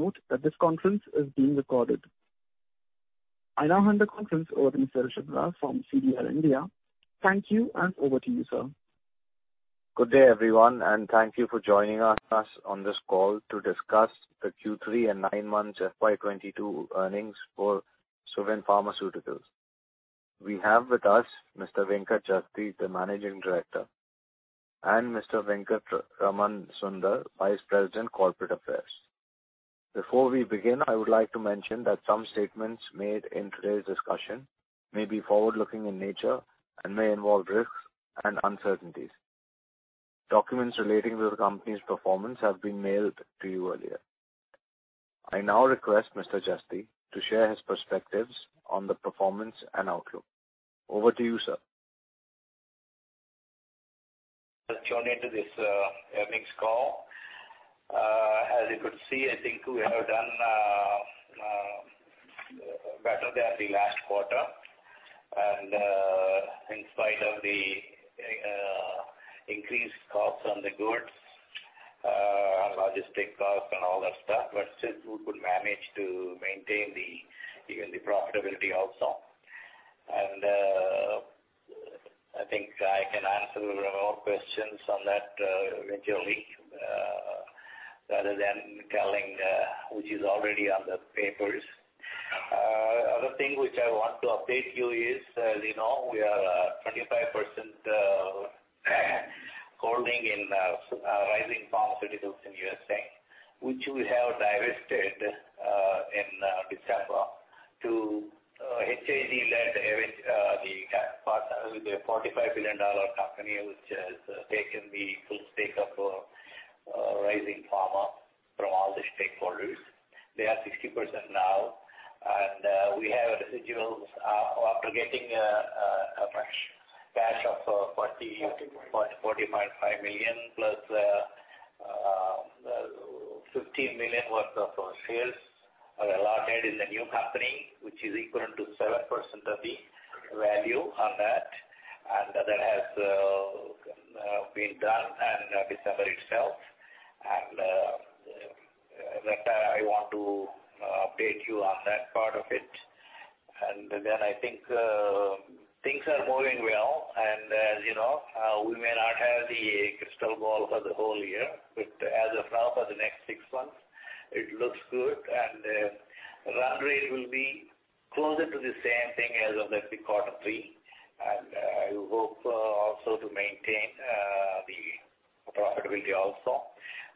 Please note that this conference is being recorded. I now hand the conference over to Mr. Gavin Desa from CDR India. Thank you, and over to you, sir. Good day, everyone, and thank you for joining us on this call to discuss the Q3 and nine months full year 2022 earnings for Suven Pharmaceutical. We have with us Mr. Venkateswarlu Jasti, the Managing Director, and Mr. Venkatraman Sunder, Vice President, Corporate Affairs. Before we begin, I would like to mention that some statements made in today's discussion may be forward-looking in nature and may involve risks and uncertainties. Documents relating to the company's performance have been mailed to you earlier. I now request Mr. Jasti to share his perspectives on the performance and outlook. Over to you, sir. Joining this earnings call. As you could see, I think we have done better than the last quarter, and in spite of the increased costs on the goods, logistic costs and all that stuff, but still we could manage to maintain even the profitability also. I think I can answer all questions on that eventually rather than telling which is already on the papers. Other thing which I want to update you is, as you know, we are 25% holding in Rising Pharmaceuticals in USA, which we have divested in December to H.I.G.-led partner with a $45 billion company, which has taken the full stake of Rising Pharma from all the stakeholders. They are 60% now, and we have residuals after getting a fresh cash of 40- 45. $40.5 million plus $50 million worth of shares are allotted in the new company, which is equivalent to 7% of the value on that. That has been done in December itself. That I want to update you on that part of it. Then I think things are moving well. As you know, we may not have the crystal ball for the whole year, but as of now for the next six months it looks good. Run rate will be closer to the same thing as of Q3. We hope also to maintain the profitability also.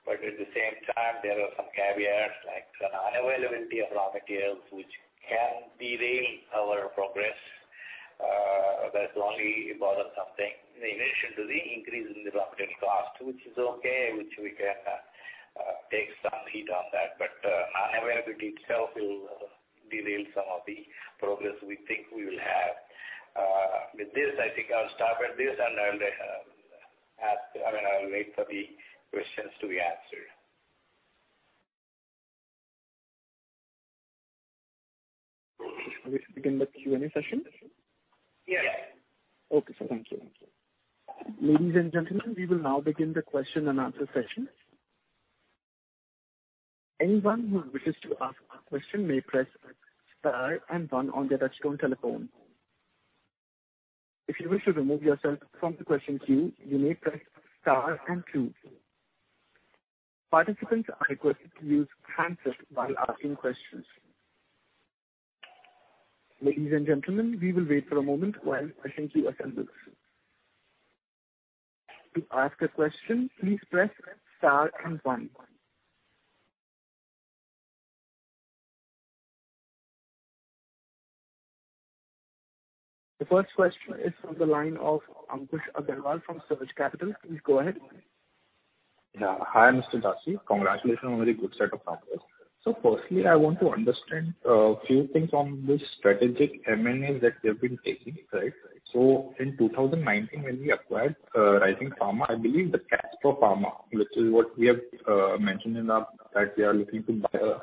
But at the same time, there are some caveats like unavailability of raw materials which can derail our progress. That's only about something in addition to the increase in the raw material cost, which is okay, which we can take some heat on that. Unavailability itself will derail some of the progress we think we will have. With this, I think I'll stop at this, and I'll wait for the questions to be answered. We should begin the Q&A session. Yes. Okay, sir. Thank you. Ladies and gentlemen, we will now begin the question and answer session. Anyone who wishes to ask a question may press star and one on their touchtone telephone. If you wish to remove yourself from the question queue, you may press star and two. Participants are requested to use handset while asking questions. Ladies and gentlemen, we will wait for a moment while question queue assembles. To ask a question, please press star and one. The first question is from the line of Ankush Agrawal from Surge Capital. Please go ahead. Yeah. Hi, Mr. Jasti. Congratulations on a very good set of numbers. First, I want to understand a few things on this strategic M&A that you have been taking right? In 2019, when we acquired Rising Pharma, I believe the Casper Pharma, which is what we have mentioned in our that we are looking to buy a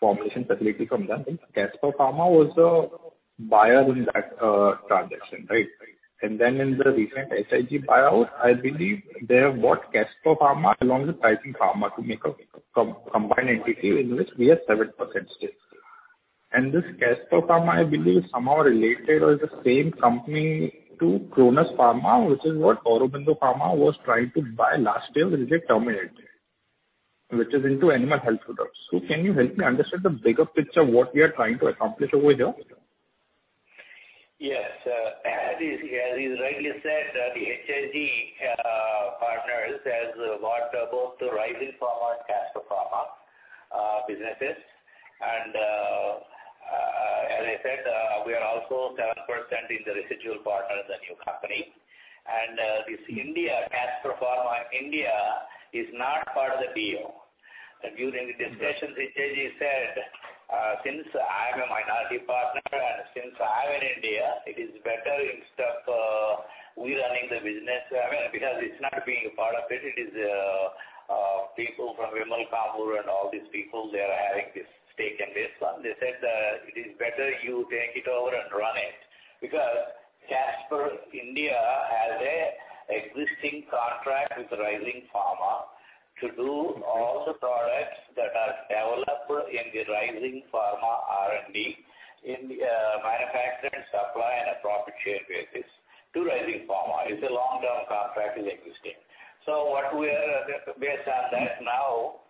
formulation facility from them. Casper Pharma was a buyer in that transaction, right? In the recent H.I.G buyout, I believe they have bought Casper Pharma along with Rising Pharma to make a combined entity in which we have 7% stake. This Casper Pharma, I believe, is somehow related or is the same company to Cronus Pharma, which is what Aurobindo Pharma was trying to buy last year, which they terminated, which is into animal health products. Can you help me understand the bigger picture of what we are trying to accomplish over here? Yes. As you rightly said, the H.I.G. partners has bought both the Rising Pharma and Casper Pharma businesses. As I said, we are also 7% in the residual partner of the new company. This Indian Casper Pharma India is not part of the deal. During the discussions, H.I.G. said, "Since I'm a minority partner and since I'm in India, it is better instead of we running the business," I mean, because it's not being a part of it. It is people from Vimal Kumar and all these people, they are having this stake in this one they said that, "It is better you take it over and run it." Because Casper Pharma existing contract with Rising Pharma to do all the products that are developed in the Rising Pharma R&D in the manufacture and supply on a profit share basis to Rising Pharma it's a long-term contract is existing. What we are based on that now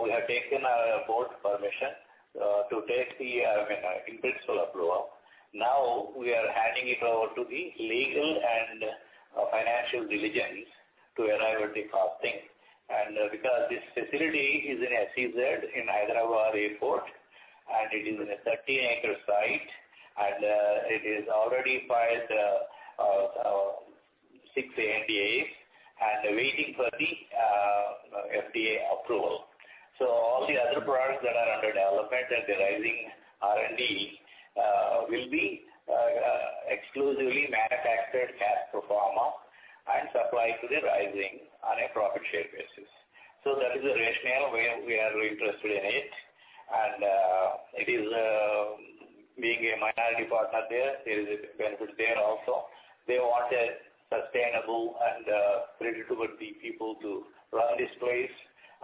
we have taken our board permission to take the I mean in-principle approval. Now we are handing it over to the legal and financial diligence to arrive at the costing. Because this facility is in SEZ in Hyderabad Airport, and it is in a 30-acre site, and it is already filed 6 ANDAs, and waiting for the FDA approval. All the other products that are under development at the Rising R&D will be exclusively manufactured by Casper Pharma and supplied to the Rising on a profit share basis. That is the rationale where we are really interested in it, and it is being a minority partner there, it is a benefit there also. They want a sustainable and predictable people to run this place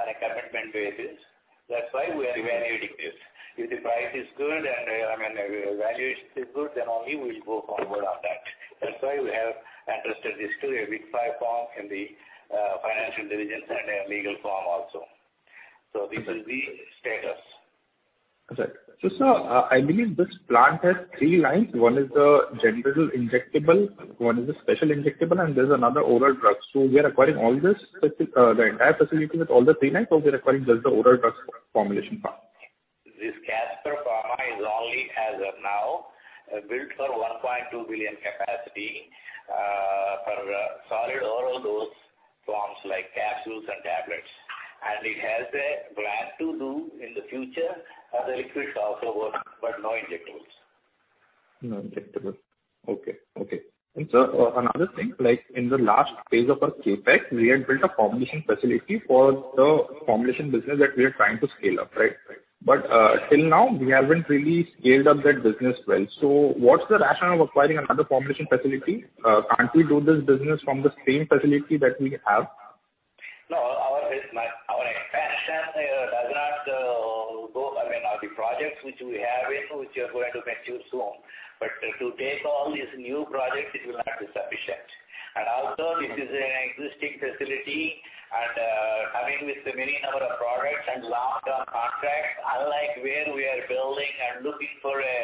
on a commitment basis. That's why we are evaluating this. If the price is good and, I mean, evaluations are good, then only we'll go forward on that. That's why we have addressed this to a Big Four firm for the financial due diligence and a legal firm also. This is the status. Okay, sir, I believe this plant has three lines. One is the general injectable, one is the special injectable, and there's another oral drugs we are acquiring all this, the entire facility with all the three lines or we're acquiring just the oral drugs formulation part? This Casper Pharma is only as of now built for 1.2 billion capacity for solid oral dose forms like capsules and tablets. It has a plan to do in the future the liquids also work, but no injectables. No injectable. Okay. Okay. Sir, another thing, like in the last phase of our CapEx, we had built a formulation facility for the formulation business that we are trying to scale up, right? Till now, we haven't really scaled up that business well. What's the rationale of acquiring another formulation facility? Can't we do this business from the same facility that we have? No, our expansion does not. I mean, the projects which we have in hand, which are going to mature soon. To take all these new projects, it will not be sufficient. Also this is an existing facility coming with a large number of products and long-term contracts, unlike where we are building and looking for a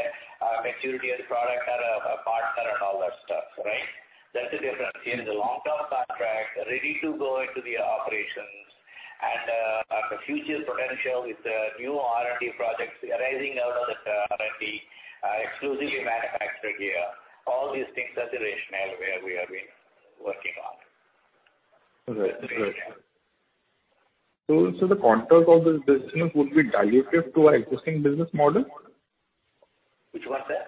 maturity of the product or a partner and all that stuff, right? That's the difference here is a long-term contract ready to go into operations and the future potential with the new R&D projects arising out of the R&D exclusively manufactured here. All these things are the rationale where we have been working on. Right. The contract of this business would be dilutive to our existing business model? Which one, sir?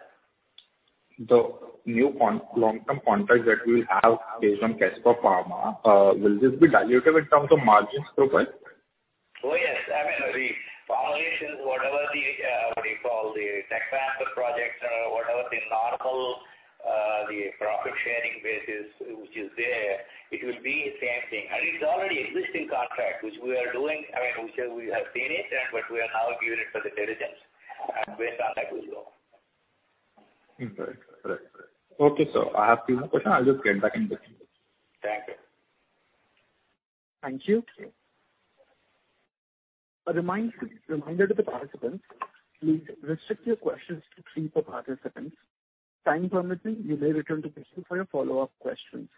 The new long-term contract that we'll have based on Casper Pharma, will this be dilutive in terms of margins profile? Oh, yes. I mean, the formulations, whatever the, what do you call, the tech transfer projects or whatever the normal, the profit-sharing basis which is there, it will be the same thing it's already existing contract, which we are doing, I mean, which we have seen it and what we are now giving it for the diligence, and based on that we'll go. Right. Okay, I have few more questions. I'll just get back in the queue. Thank you. Thank you. Reminder to the participants, please restrict your questions to three per participant. Time permitting, you may return to the queue for your follow-up questions.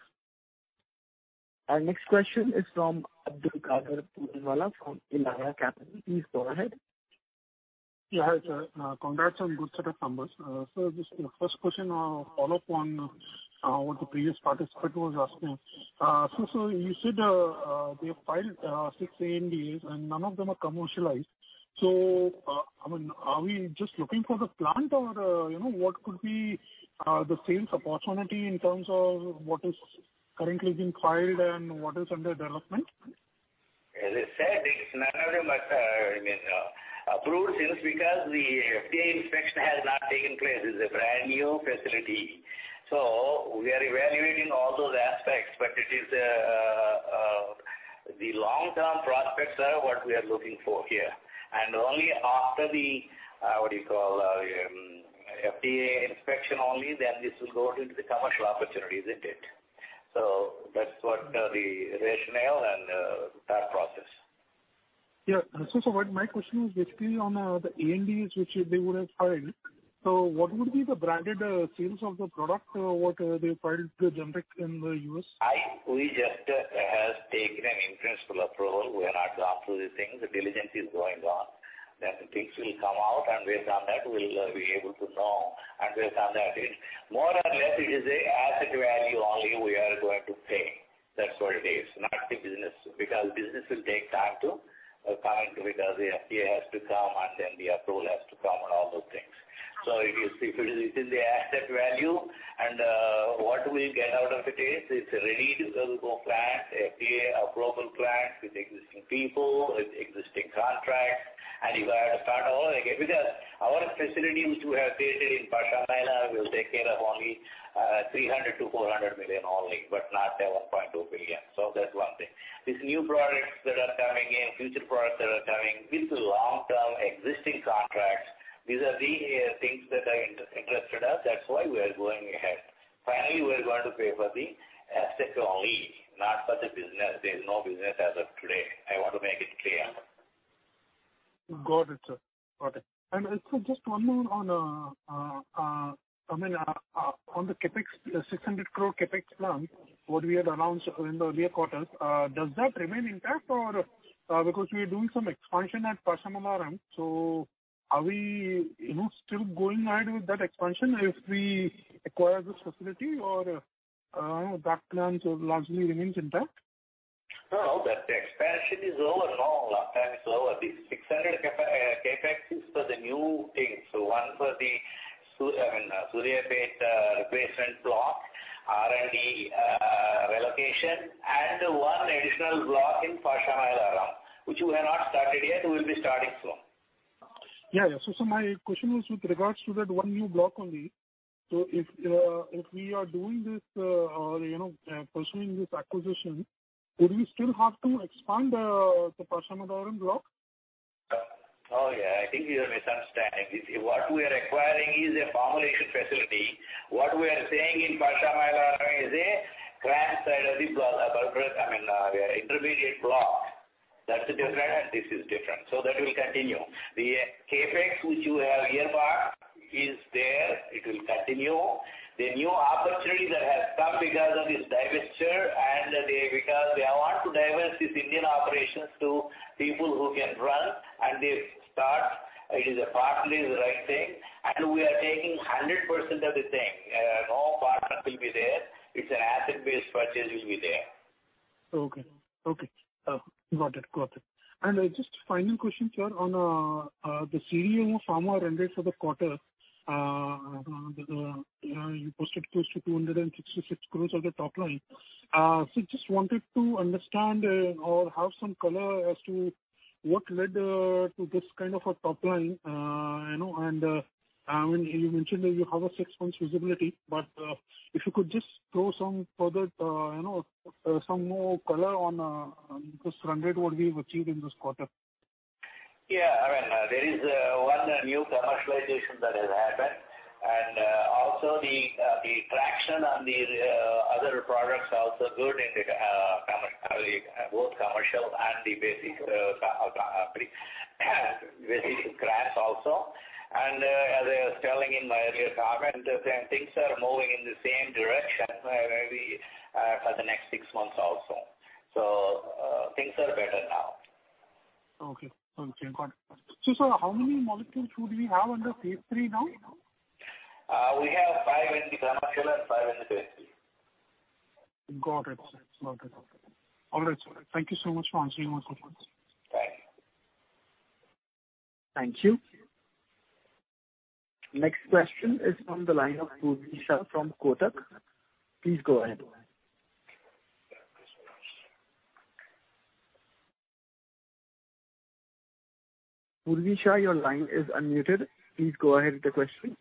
Our next question is from Adar Poonawalla from. [unintelligible] Please go ahead. Yeah. Sir, congrats on good set of numbers. Just the first question, follow up on what the previous participant was asking. You said they have filed 6 ANDAs, and none of them are commercialized. I mean, are we just looking for the plant or you know, what could be the sales opportunity in terms of what is currently being filed and what is under development? As I said, it's none of them are, I mean, approved since because the FDA inspection has not taken place this is a brand-new facility. We are evaluating all those aspects, but it is the long-term prospects are what we are looking for here. Only after the FDA inspection only then this will go into the commercial opportunity, isn't it? That's what the rationale and that process. What my question is basically on the ANDAs which they would have filed. What would be the branded sales of the product what they filed generic in the U.S.? We just have taken an in-principle approval we have not gone through the things the diligence is going on. Then things will come out, and based on that we'll be able to know, and based on that, more or less it is an asset value only we are going to pay. That's what it is, not the business because business will take time to come in because the FDA has to come and then the approval has to come and all those things. So it is the asset value and what we get out of it is, it's a ready-to-go plant, FDA-approved plant with existing people, with existing contracts, and you don't have to start all over again because our facility which we have created in Pashamylaram takes care of only 300 to 400 million only, but not the 1.2 billion. That's one thing. These new products that are coming in, future products that are coming with long-term existing contracts, these are the things that interested us, that's why we are going ahead. Finally, we are going to pay for the asset only, not for the business there is no business as of today. I want to make it clear. Got it, sir. Got it. Also just one more on, I mean, on the CapEx, 600 crore CapEx plan, what we had announced in the earlier quarters, does that remain intact or, because we are doing some expansion at Pashamylaram. Are we, you know, still going ahead with that expansion if we acquire this facility? or, that plan so largely remains intact? No, that expansion is over no, that plan is over. The 600 CapEx is for the new things. One for the, I mean, Suryapet replacement block, R&D, relocation, and one additional block in Pashamylaram, which we have not started yet we'll be starting soon. My question was with regards to that one new block only. If we are doing this or, you know, pursuing this acquisition, do we still have to expand the Pashamylaram block? Oh, yeah. I think you have a misunderstanding what we are acquiring is a formulation facility. What we are saying in Pashamylaram is a CRAMS site of the block, I mean, intermediate block. That's different and this is different. That will continue. The CapEx which you have earmarked is there. It will continue. The new opportunity that has come because of this divestiture and because they want to divest this Indian operations to people who can run it and restart it. It is partly the right thing. We are taking 100% of the thing. No partner will be there. It's an asset-based purchase it will be there. Okay. Got it. Just final question, sir, on the CDMO Pharma revenues for the quarter, you know, you posted close to 266 crore on the top line. Just wanted to understand or have some color as to what led to this kind of a top line. You know, I mean, you mentioned that you have a six months visibility, but if you could just throw some further, you know, some more color on this revenue what we've achieved in this quarter. Yeah. I mean, there is one new commercialization that has happened, and also the traction on the other products are also good in the both commercial and the basic CRAMS also. As I was telling in my earlier comment, things are moving in the same direction maybe for the next six months also. Things are better now. Okay. Got it. Sir, how many molecules would we have under Phase III now? We have five in the chemical and five in the basic. Got it. Got it. All right, sir. Thank you so much for answering my questions. Thanks. Thank you. Next question is from the line of Ritesh Shah from Kotak. Please go ahead...... Ritesh Shah, your line is unmuted. Please go ahead with the question.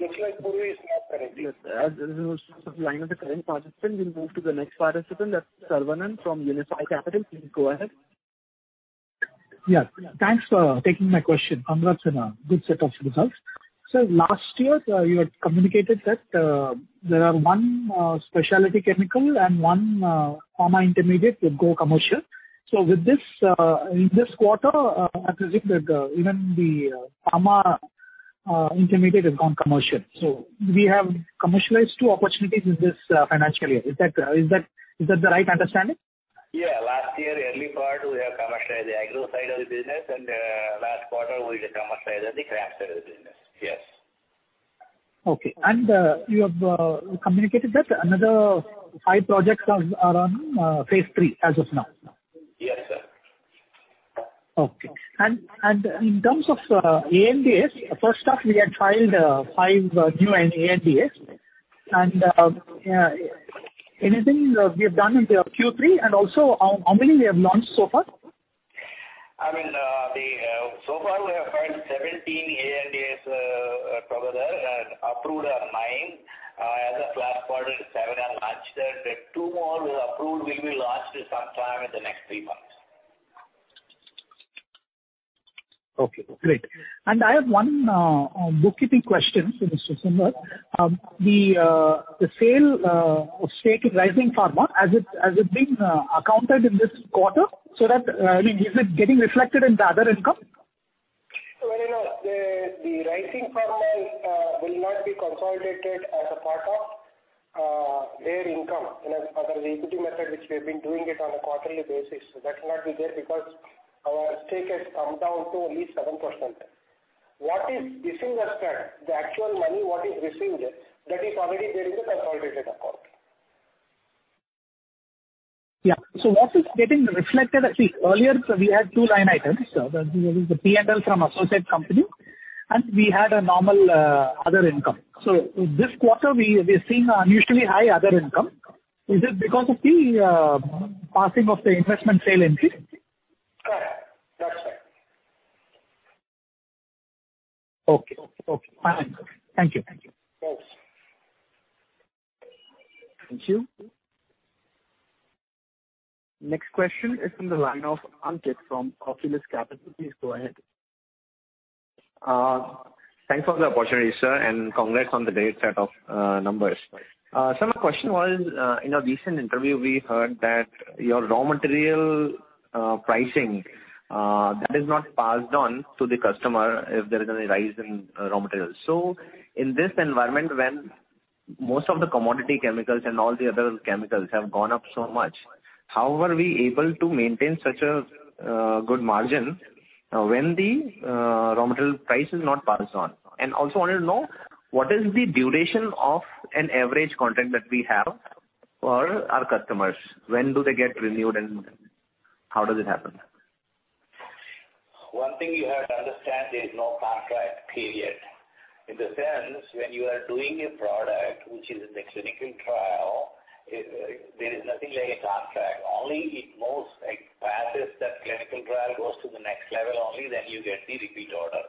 Looks like Ritesh Shah is not there. As this is the line of the current participant, we'll move to the next participant. That's Saravanan from Unifi Capital. Please go ahead. Yeah. Thanks for taking my question. Congrats on a good set of results. Last year, you had communicated that there are one specialty chemical and one pharma intermediate would go commercial. With this, in this quarter, I presume that even the pharma intermediate has gone commercial. We have commercialized two opportunities in this financial year. Is that the right understanding? Yeah. Last year, early part, we have commercialized the API side of the business, and last quarter, we commercialized the CRAMS side of the business. Yes. Okay. You have communicated that another five projects are on Phase III as of now? Yes, sir. Okay. In terms of ANDAs, first off, we had filed five new ANDAs. Anything we have done into Q3 and also how many we have launched so far? I mean, so far we have filed 17 ANDAs together, and approved are nine. As of last quarter, seven are launched the two more approved will be launched sometime in the next three months. Okay, great. I have one bookkeeping question for Mr. Sunder. The sale of stake in Rising Pharma, has it been accounted in this quarter so that, I mean, is it getting reflected in the other income? Well, you know, the Rising Pharma will not be consolidated as a part of their income you know, under the equity method, which we've been doing it on a quarterly basis so that will not be there because our stake has come down to only 7%. What is received, sir, the actual money, what is received, that is already there in the consolidated account. Yeah. What is getting reflected, actually earlier we had two line items. The P&L from associate company, and we had a normal, other income. This quarter we're seeing unusually high other income. Is it because of the, passing of the investment sale entry? [inaudible] Okay. Fine. Thank you. Thanks. Thank you. Next question is from the line of Ankit from Oculus Capital. Please go ahead. Thanks for the opportunity, sir, and congrats on the great set of numbers. My question was, in a recent interview, we heard that your raw material pricing that is not passed on to the customer if there is any rise in raw materials. In this environment, when most of the commodity chemicals and all the other chemicals have gone up so much, how are we able to maintain such a good margin when the raw material price is not passed on? Also I want to know what is the duration of an average contract that we have for our customers? When do they get renewed, and how does it happen? One thing you have to understand, there is no contract, period. In the sense, when you are doing a product which is in a clinical trial, there is nothing like a contract only if most likely passes that clinical trial goes to the next level, only then you get the repeat order.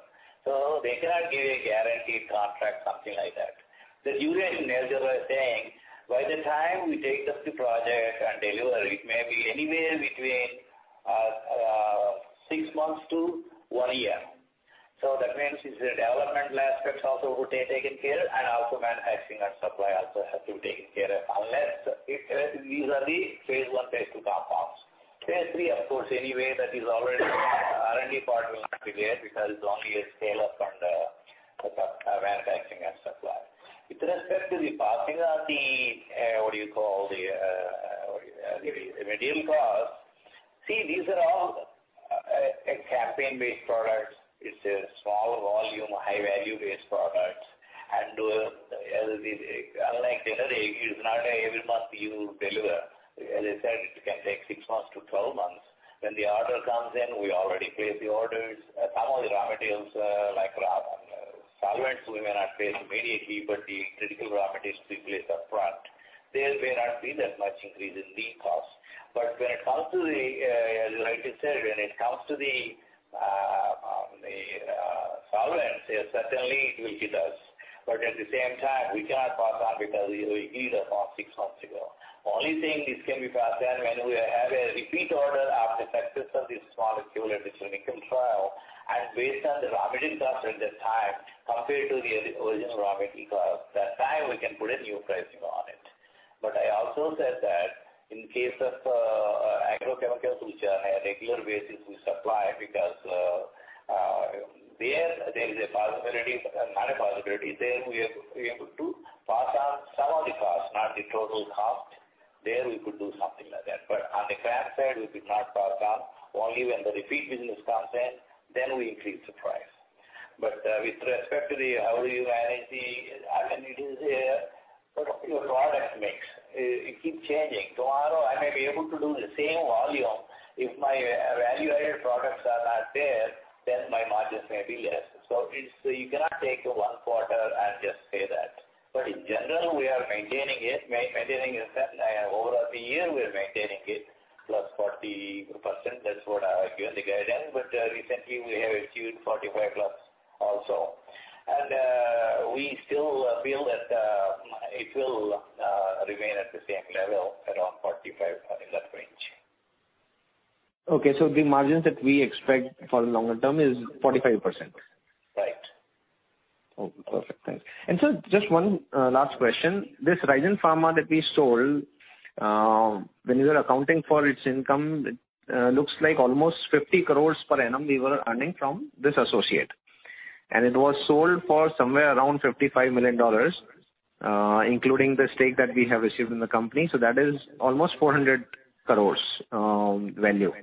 They cannot give a guaranteed contract, something like that. The duration, as you were saying, by the time we take up the project and deliver it, may be anywhere between six months to one year. That means it's the developmental aspects also would be taken care and also manufacturing and supply also have to be taken care of unless these are the Phase I, Phase II compounds. Phase III, of course, anyway, that is already R&D part will not be there because it's only a scale-up on the manufacturing and supply. The material costs, see, these are all a campaign-based product. It's a small volume, high value-based product. Unlike generic, it's not every month you deliver. As I said, it can take six months to 12 months. When the order comes in, we already place the orders. Some of the raw materials, like raw solvents, we may not place immediately, but the critical raw materials we place upfront. There may not be that much increase in the cost. When it comes to the solvents, as you rightly said, certainly it will hit us. At the same time, we cannot pass on because we gave the cost six months ago. Only thing this can be passed on when we have a repeat order after success of this molecule at the clinical trial, and based on the raw material cost at that time compared to the original raw material cost at that time we can put a new pricing on it. I also said that in case of agrochemicals, which on a regular basis we supply because there is a possibility, not a possibility, there we are able to pass on some of the cost, not the total cost. There we could do something like that on the client side, we could not pass on. Only when the repeat business comes in, then we increase the price. With respect to how do you manage the product mix, I mean, it is your product mix. It keeps changing tomorrow, I may be able to do the same volume. If my value-added products are not there, then my margins may be less. You cannot take one quarter and just say that. In general, we are maintaining it over the year, we are maintaining it plus +40% that's what I have given the guidance recently we have achieved +45% also. We still feel that it will remain at the same level, around 45%, in that range. Okay. The margins that we expect for the longer term is 45%. Right. Okay. Perfect. Thanks. Just one last question. This Rising Pharma that we sold, when you were accounting for its income, looks like almost 50 crores per annum we were earning from this associate. It was sold for somewhere around $55 million, including the stake that we have received in the company that is almost 400 crores value.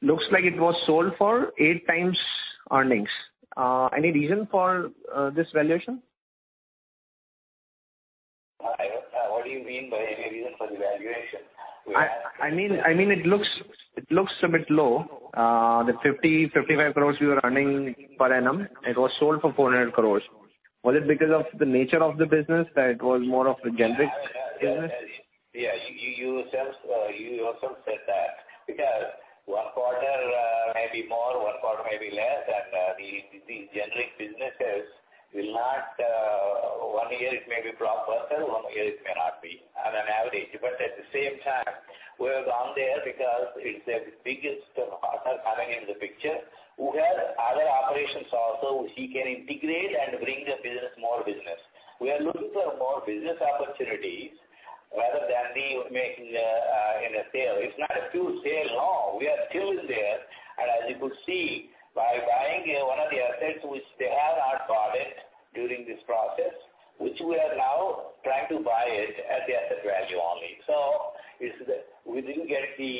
Looks like it was sold for 8 times earnings. Any reason for this valuation? I don't. What do you mean by any reason for the valuation? I mean it looks a bit low. The 55 crores you were earning per annum, it was sold for 400 crore. Was it because of the nature of the business that it was more of a generic business? Yeah. You yourself said that because one quarter may be more, one quarter may be less the generic businesses will not. One year it may be proper, sir, one year it may not be on an average at the same time, we have gone there because it's the biggest partner coming into the picture who has other operations also which he can integrate and bring the business more business. We are looking for more business opportunities rather than we making a sale it's not a few sale no, we are still there. As you could see, by buying one of the assets which they have not bought it during this process, which we are now trying to buy it at the asset value only. We didn't get the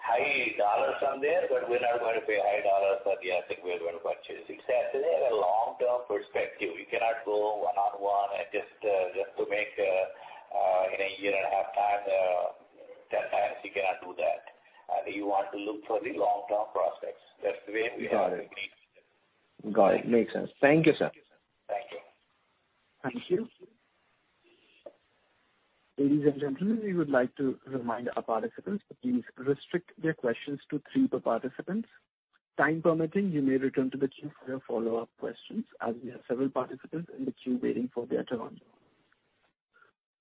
high dollars from there, but we're not going to pay high dollars for the asset we are going to purchase exactly, like a long-term perspective you cannot go one-on-one and just to make in a year and a half time 10 times, you cannot do that. You want to look for the long-term prospects. That's the way we have to think. Got it. Got it. Makes sense. Thank you, sir. Thank you. Thank you. Ladies and gentlemen, we would like to remind our participants to please restrict their questions to three per participant. Time permitting, you may return to the queue for your follow-up questions, as we have several participants in the queue waiting for their turn.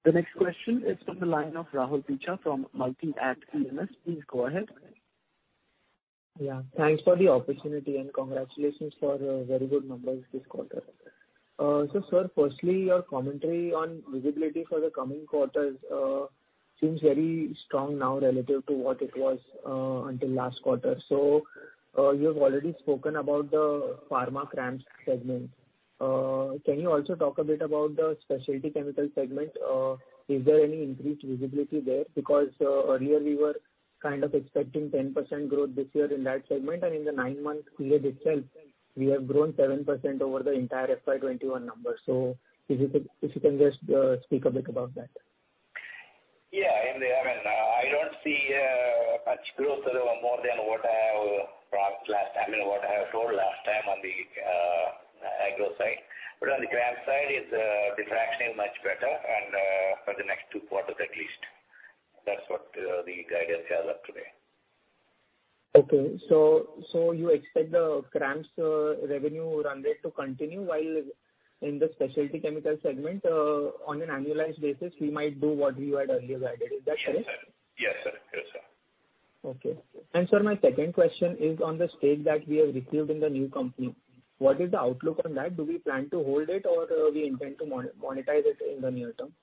The next question is from the line of Rahul Jeewani from. [unintelligible] Please go ahead. Yeah. Thanks for the opportunity, and congratulations for very good numbers this quarter. Sir, firstly, your commentary on visibility for the coming quarters seems very strong now relative to what it was until last quarter. You have already spoken about the Pharma CRAMS segment. Can you also talk a bit about the specialty chemical segment? Is there any increased visibility there? Because earlier we were kind of expecting 10% growth this year in that segment, and in the nine months period itself, we have grown 7% over the entire FY 2021 numbers. If you can just speak a bit about that. I mean, I don't see much growth or more than what I have brought last time and what I have told last time on the agro side. On the CRAMS side, traction is much better and for the next two quarters at least. That's the guidance as of today. You expect the CRAMS revenue run rate to continue while in the specialty chemical segment, on an annualized basis, we might do what we had earlier guided. Is that correct? Yes, sir. Okay. Sir, my second question is on the stake that we have acquired in the new company. What is the outlook on that? Do we plan to hold it or we intend to monetize it in the near term?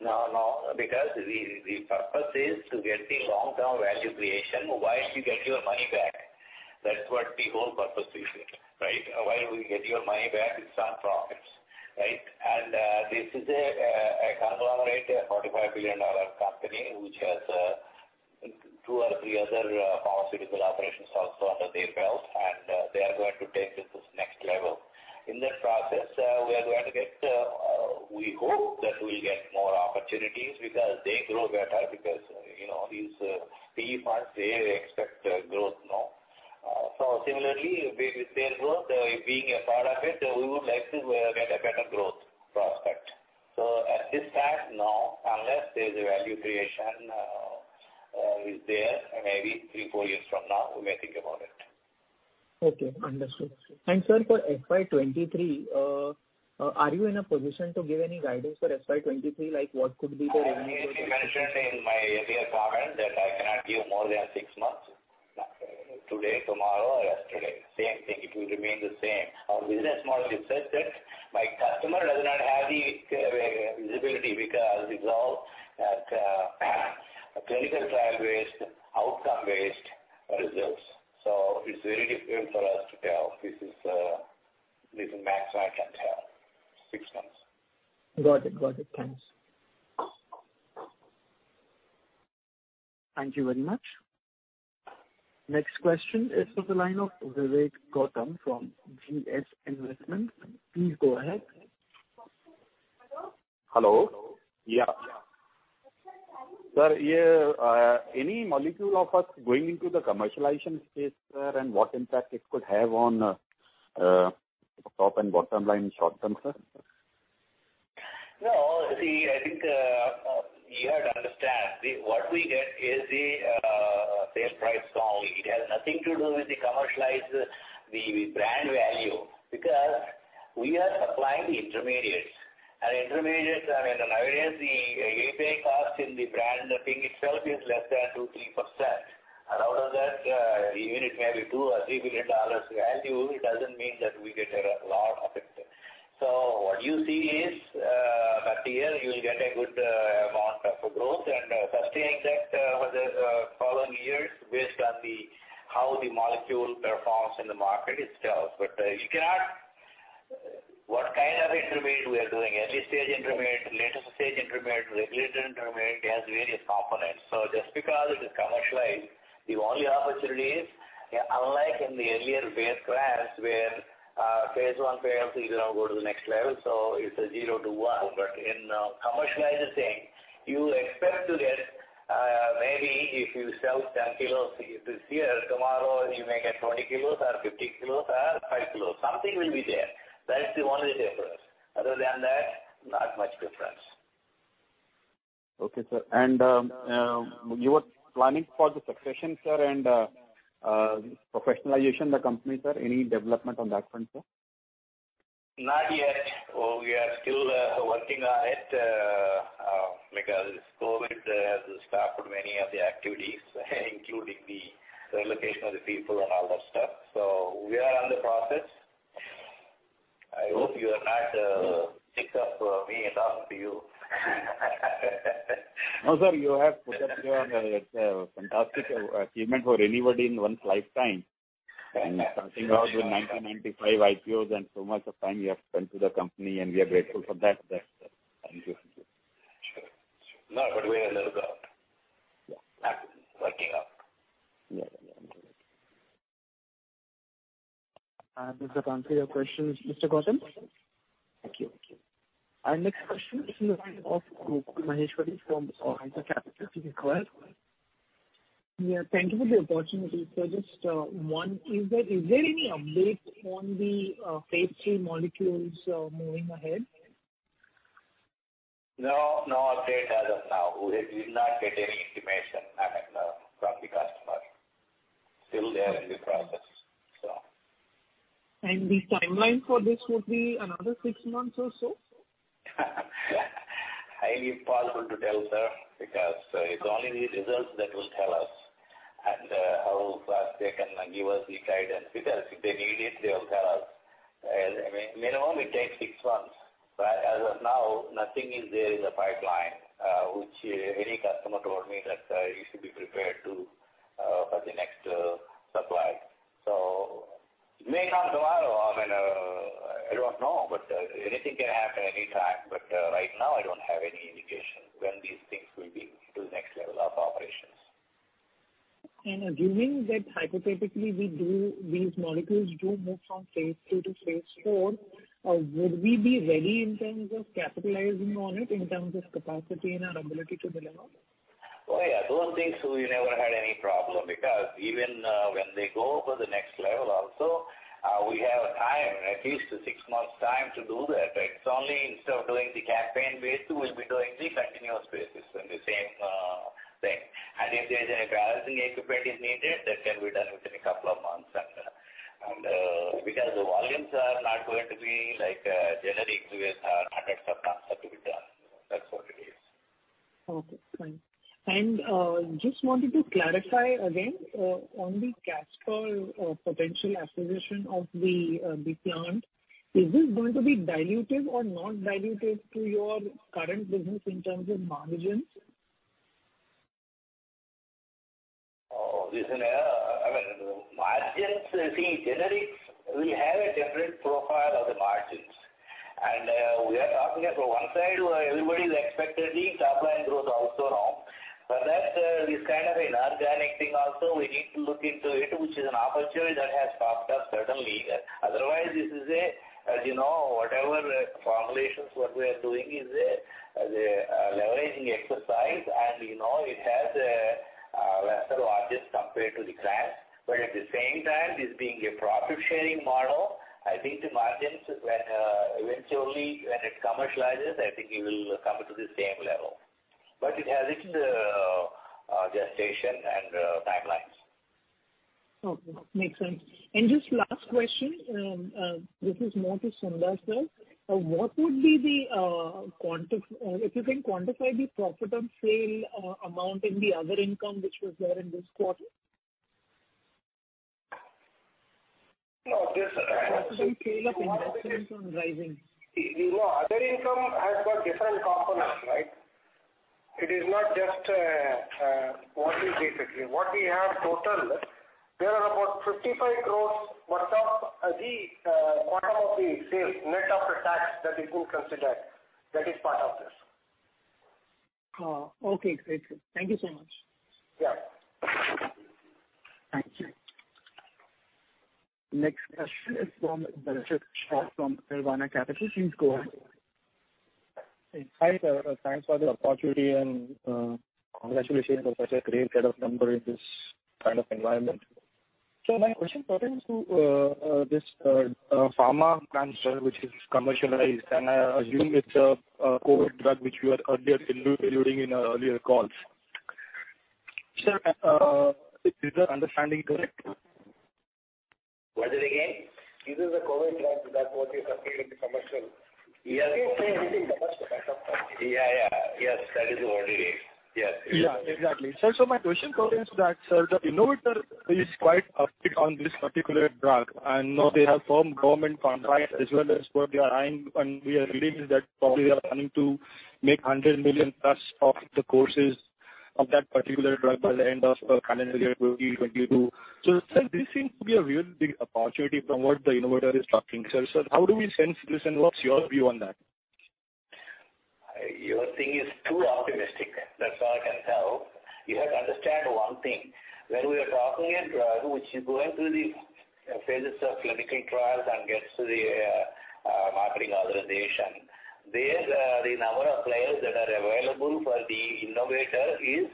No, because the purpose is to get the long-term value creation while you get your money back. That's what the whole purpose is here, right? While we get your money back, it's not profits, right? This is a conglomerate, a $45 billion company which has two or three other pharmaceutical operations also under their belt, and they are going to take this to next level. In that process, we are going to get, we hope that we'll get more opportunities because they grow better because, you know, these PE firms, they expect growth, no? Similarly, with their growth, being a part of it, we would like to get a better growth prospect. At this time, no. Unless there's a value creation, maybe three, four years from now we may think about it. Okay. Understood. Sir, for FY 2023, are you in a position to give any guidance for FY 2023, like what could be the revenue? I clearly mentioned in my earlier comment that I cannot give more than six months. Today, tomorrow or yesterday. Same thing it will remain the same. Our business model is such that my customer does not have the visibility because it's all at clinical trial-based, outcome-based results. It's very difficult for us to tell this is max I can tell, six months. Got it. Thanks. Thank you very much. Next question is from the line of Vivek Gautam from GS Investment. Please go ahead. Hello. Yeah. Sir, yeah, any molecule of us going into the commercialization space, sir, and what impact it could have on top and bottom line short term, sir? No. See, I think you have to understand, what we get is the sales price only it has nothing to do with the commercialized, the brand value because we are supplying the intermediates. Intermediates, I mean, on average the API cost in the brand, the thing itself is less than 2% to 3%. Out of that, even if maybe $2 to 3 billion value, it doesn't mean that we get a lot of it. What you see is, that year you'll get a good amount of growth and sustain that for the following years based on how the molecule performs in the market itself but you cannot. What kind of intermediate we are doing, early stage intermediate, later stage intermediate, regulated intermediate, it has various components. Just because it is commercialized, the only opportunity is, unlike in the earlier base CRAMS where Phase I, Phase II, you now go to the next level, so it's a zero to one but in commercializing thing, you expect to get, maybe if you sell 10kilos this year, tomorrow you may get 20kilos or 50kilos or 5kilos something will be there. That's the only difference. Other than that, not much difference. Okay, sir. You were planning for the succession, sir, and professionalization of the company, sir any development on that front, sir? Not yet. We are still working on it because COVID has stopped many of the activities, including the relocation of the people and all that stuff. We are on the process. I hope you are not sick of me talking to you. No, sir. You have put up your, it's a fantastic achievement for anybody in one's lifetime. Starting out with 1995 IPOs and so much of time you have spent with the company, and we are grateful for that. That's it. Thank you. Sure. No, but we are little. Yeah. -working up. Yeah. Yeah. Does that answer your question, Mr. Gautam? Thank you. Our next question is from Kunal Maheshwari from Softlink Global. Please go ahead. Yeah, thank you for the opportunity. Just one. Is there any update on the Phase III molecules moving ahead? No, no update as of now. We did not get any information, I mean, from the customer. Still they are in the process, so. The timeline for this would be another six months or so? Highly possible to tell, sir, because it's only the results that will tell us and how fast they can give us the guidance if they need it, they'll tell us. I mean, minimum it takes six months. As of now, nothing is there in the pipeline, which any customer told me that you should be prepared to for the next supply. May not go out or I mean, I don't know, but anything can happen any time but right now I don't have any indication when these things will be to the next level of operations. Assuming that hypothetically we do, these molecules do move from phase II to Phase IV, would we be ready in terms of capitalizing on it, in terms of capacity and our ability to deliver? Oh, yeah. Those things we never had any problem because even, when they go for the next level also, we have a time, at least six months time to do that it's only instead of doing the campaign basis, we'll be doing the continuous basis and the same, thing. If there's any balancing equipment is needed, that can be done within a couple of months. Because the volumes are not going to be like, generic where hundreds of tons have to be done. That's what it is. Okay, fine. Just wanted to clarify again on the Casper potential acquisition of the plant. Is this going to be dilutive or not dilutive to your current business in terms of margins? Oh, listen here. I mean, margins, you see, generics, we have a different profile of the margins. We are talking as from one side where everybody is expecting the top line growth also now. That is kind of inorganic thing also we need to look into it, which is an opportunity that has popped up suddenly. Otherwise, this is a, as you know, whatever formulations what we are doing is a leveraging exercise. You know it has a lesser margins compared to the class. At the same time, this being a profit sharing model, I think the margins when eventually it commercializes, I think it will come to the same level. It has its own gestation and timelines. Okay. Makes sense. Just last question, this is more to Sunder, sir. What would be the, if you can quantify the profit and sales amount in the other income which was there in this quarter? No, this. Profit and sale of investments in Rising. You know, other income has got different components, right? It is not just what we have total, there are about 55 crore worth of the bottom line of the sales net of the tax that we could consider. That is part of this. Oh, okay. Great. Thank you so much. Yeah. Thank you. Next question is from Darshit Shah from Nirvana Capital. Please go ahead. Hi, sir. Thanks for the opportunity and congratulations on such a great set of numbers in this kind of environment. My question pertains to this pharma plant, sir, which is commercialized, and I assume it's a COVID drug which you had earlier been alluding in our earlier calls. Sir, is this understanding correct? What is it again? Is this a COVID drug that what you're saying is commercial? Yeah. Can you say anything about the background? Yeah. Yeah. Yes, that is what it is. Yes. Yeah, exactly. Sir, my question pertains to that, sir the innovator is quite upbeat on this particular drug. I know they have formed government contracts as well as what they are eyeing, and we are reading that probably they are planning to make 100 million plus of the courses of that particular drug by the end of calendar year 2022. Sir, this seems to be a really big opportunity from what the innovator is talking, sir. How do we sense this and what's your view on that? Your thing is too optimistic. That's all I can tell. You have to understand one thing. When we are talking about a drug which is going through the phases of clinical trials and gets the marketing authorization, there, the number of players that are available for the innovator is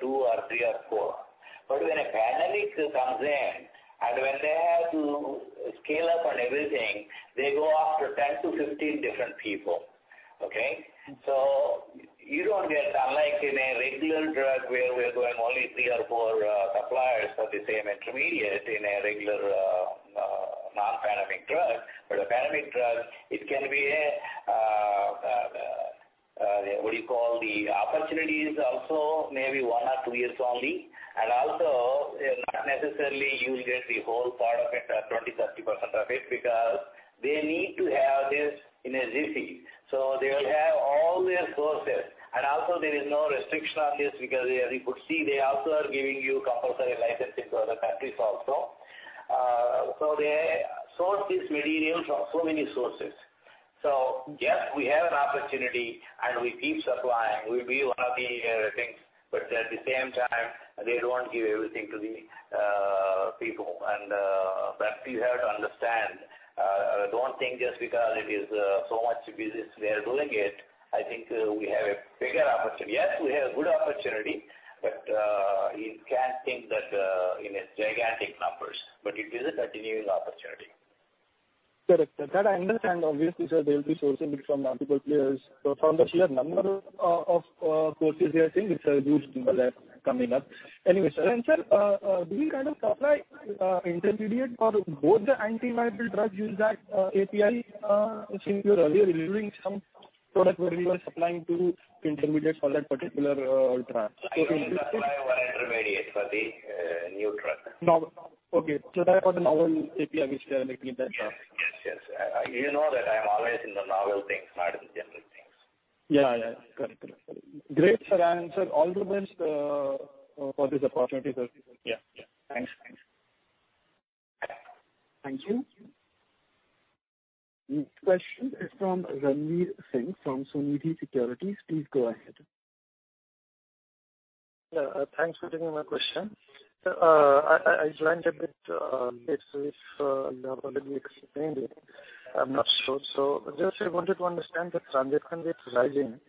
two or three or four. When a pandemic comes in and when they have to scale up and everything, they go after 10 to 15 different people. Okay. You don't get, unlike in a regular drug, where we're going only three or four suppliers for the same intermediate in a regular non-pandemic drug. A pandemic drug, it can be a what do you call, the opportunity is also maybe one or two years only. Not necessarily you will get the whole part of it or 20%, 30% of it because they need to have this in a hurry. They will have diverse sources. There is no restriction on this because they are, you could see they also are giving you compulsory license in other countries also. They source this material from so many sources. Yes, we have an opportunity, and we keep supplying we'll be one of the things but at the same time, they don't give everything to the people. But you have to understand, don't think just because it is so much business they are doing it, I think, we have a bigger opportunity. Yes, we have a good opportunity, but you can't think that in a gigantic numbers, but it is a continuing opportunity. Correct. That I understand obviously, sir, they will be sourcing it from multiple players from the sheer number of sources they are saying it's a good number that coming up. Anyway, sir. Sir, do you kind of supply intermediate for both the antiviral drugs use that API? since you're earlier delivering some product where you are supplying to intermediates for that particular ultra? I can supply one intermediate for the new drug. Novel. Okay. That's for the novel API, which they are making it there. Yes. Yes. You know that I'm always in the novel things, not in general things. Yeah. Yeah. Correct. Great, sir. Sir, all the best for this opportunity, sir. Yeah. Thanks. Thank you. Next question is from Ranvir Singh from Sunidhi Securities. Please go ahead. Yeah. Thanks for taking my question. Sir, I joined a bit late, so if you have already explained it, I'm not sure. Just I wanted to understand the transaction with Rising.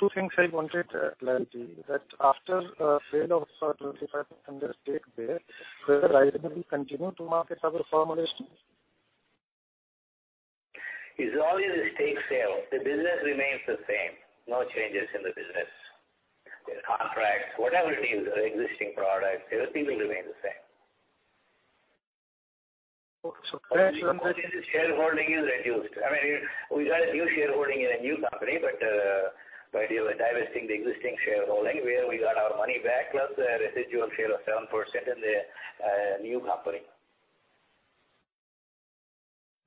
Two things I wanted, clarity that after sale of 25% stake there, will Rising continue to market our formulations? It's only the stake sale. The business remains the same. No changes in the business. The contracts, whatever it is, the existing products, everything will remain the same. So then- The shareholding is reduced. I mean, we got a new shareholding in a new company, but by divesting the existing shareholding, where we got our money back, plus a residual share of 7% in the new company.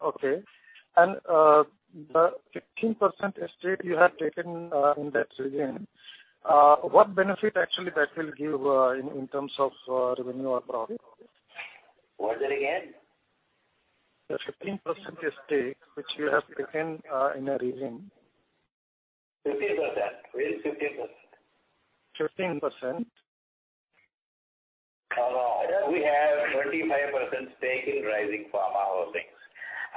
Okay. The 15% stake you have taken in that region, what benefit actually that will give in terms of revenue or profit? What's that again? The 15% stake which you have taken in a region. 15%. Where is 15%? 15%. We have 25% stake in Rising Pharma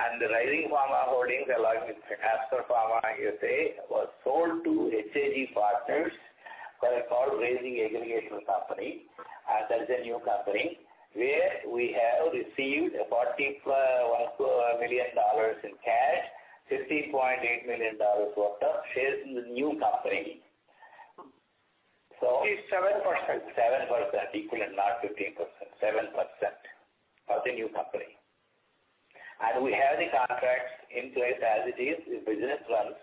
Holdings. The Rising Pharma Holdings, along with Aster Pharma USA, was sold to H.I.G. partners to form a company called Raisin Aggregator company. That's a new company where we have received $40.5 million in cash, $15.8 million worth of shares in the new company. It's 7%. 7% equivalent, not 15%. 7% of the new company. We have the contracts in place as it is, the business runs.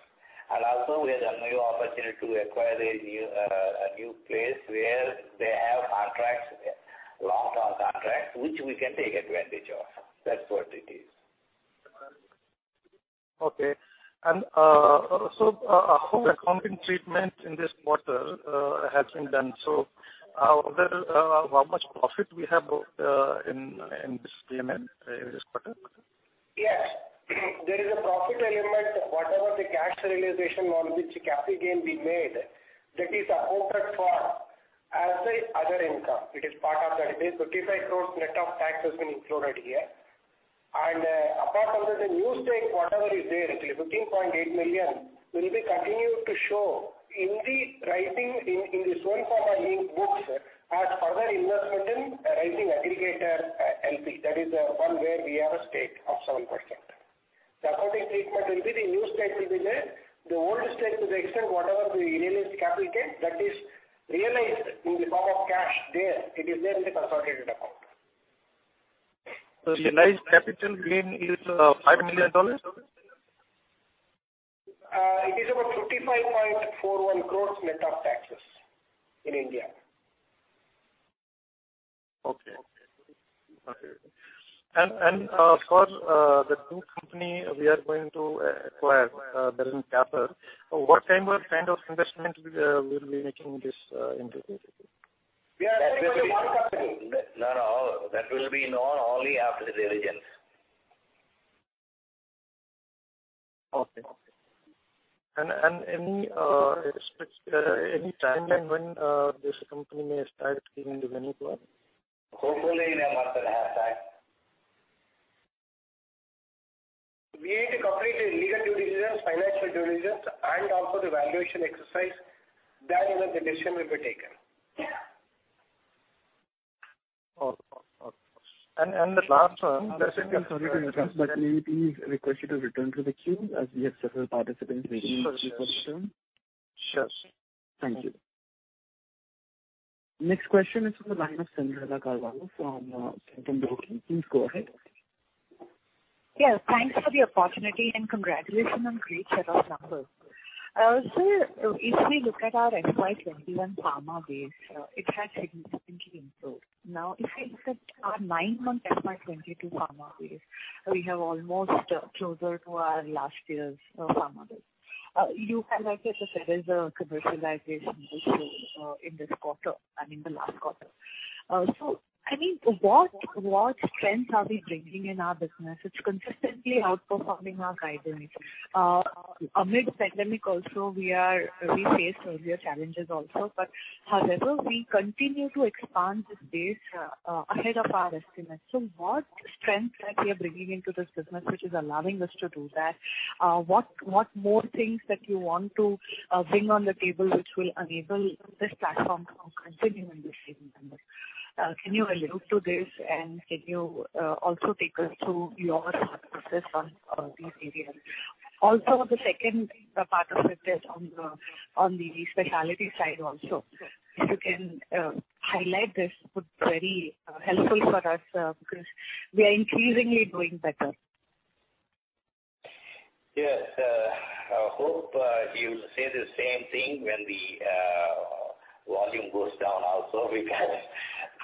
We also have a new opportunity to acquire a new place where they have contracts, long-term contracts, which we can take advantage of. That's what it is. Okay. How accounting treatment in this quarter has been done. How much profit we have in this P&L this quarter? Yes. There is a profit element, whatever the cash realization on which capital gain we made, that is accounted for as other income it is part of that. The 35 crores net of tax has been included here. Apart from that, the new stake, whatever is there, it is $15.8 million- -will be continued to show in the Raisin Aggregator, in the Sun Pharma linked books as further investment in Raisin Aggregator, L.P. that is the one where we have a stake of 7%. The accounting treatment will be the new stake will be there. The old stake to the extent whatever we realized capital gain, that is realized in the form of cash there, it is there in the consolidated account. Realized capital gain is $5 million? It is about 35.41 crore net of taxes in India. Okay. For the new company we are going to acquire, Berlin capital, what kind of investment we'll be making in this entity? We are taking a majority. No, no. That will be known only after the diligence. Okay. Any timeline when this company may start giving revenue to us? Hopefully in a month and a half time. We need to complete the legal due diligence, financial due diligence, and also the valuation exercise. Then a decision will be taken. Okay. The last one. Sorry to interrupt, but may we please request you to return to the queue as we have several participants waiting for their turn. Sure, sure. Thank you. Next question is from the line of Cyndrella Carvalho from Centrum Broking. Please go ahead. Yes, thanks for the opportunity, and congratulations on great set of numbers. Sir, if we look at our FY 2021 pharma base, it has significantly improved. Now, if we look at our nine month FY 2022 pharma base, we have almost closer to our last year's pharma base. You can actually say there's a commercialization issue in this quarter and in the last quarter. I mean, what strengths are we bringing in our business? It's consistently outperforming our guidelines. Amid pandemic also, we face earlier challenges also, but however, we continue to expand this base ahead of our estimates what strengths that we are bringing into this business, which is allowing us to do that? What more things that you want to bring on the table, which will enable this platform to continue in this same number? Can you allude to this, and can you also take us through your thought process on these areas? Also, the second part of it is on the specialty side also. If you can highlight this, would be very helpful for us, because we are increasingly doing better. Yes. I hope you will say the same thing when the volume goes down also because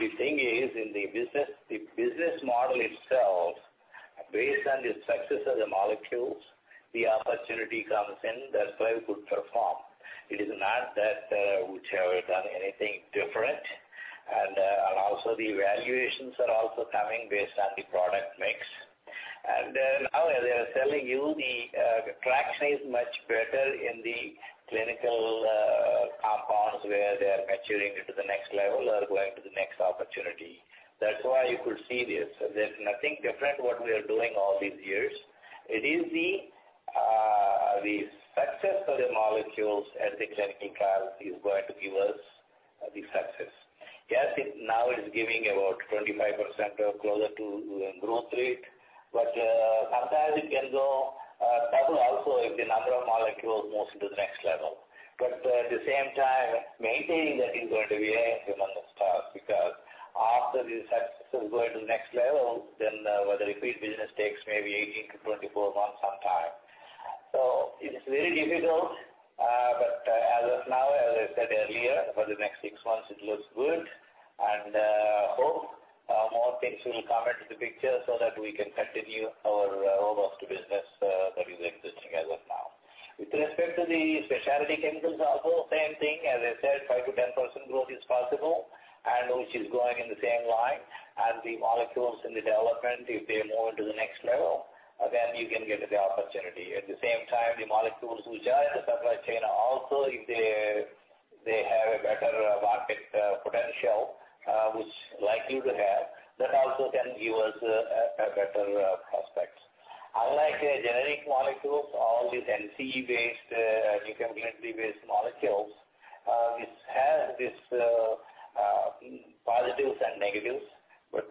the thing is in the business, the business model itself, based on the success of the molecules, the opportunity comes in, that's why you could perform. It is not that we've ever done anything different. And also the valuations are also coming based on the product mix. Then now as I was telling you, the traction is much better in the clinical compounds where they are maturing into the next level or going to the next opportunity. That's why you could see this there's nothing different what we are doing all these years. It is the success of the molecules as the clinical is going to give us the success. Yes, it now is giving about 25% or closer to growth rate, but sometimes it can go double also if the number of molecules moves to the next level. At the same time, maintaining that is going to be a humongous task because after the success will go to the next level, then whether repeat business takes maybe 18 to 24 months sometimes. It's very difficult. As of now, as I said earlier, for the next six months, it looks good. Hope more things will come into the picture so that we can continue our robust business that is existing as of now. With respect to the specialty chemicals also, same thing, as I said, 5% to 10% growth is possible and which is going in the same line. The molecules in the development, if they move into the next level, then you can get the opportunity at the same time, the molecules which are in the supply chain also, if they have a better market potential which likely to have, that also can give us a better prospects. Unlike generic molecules, all these NCE-based NCE-based molecules which has this positives and negatives. That's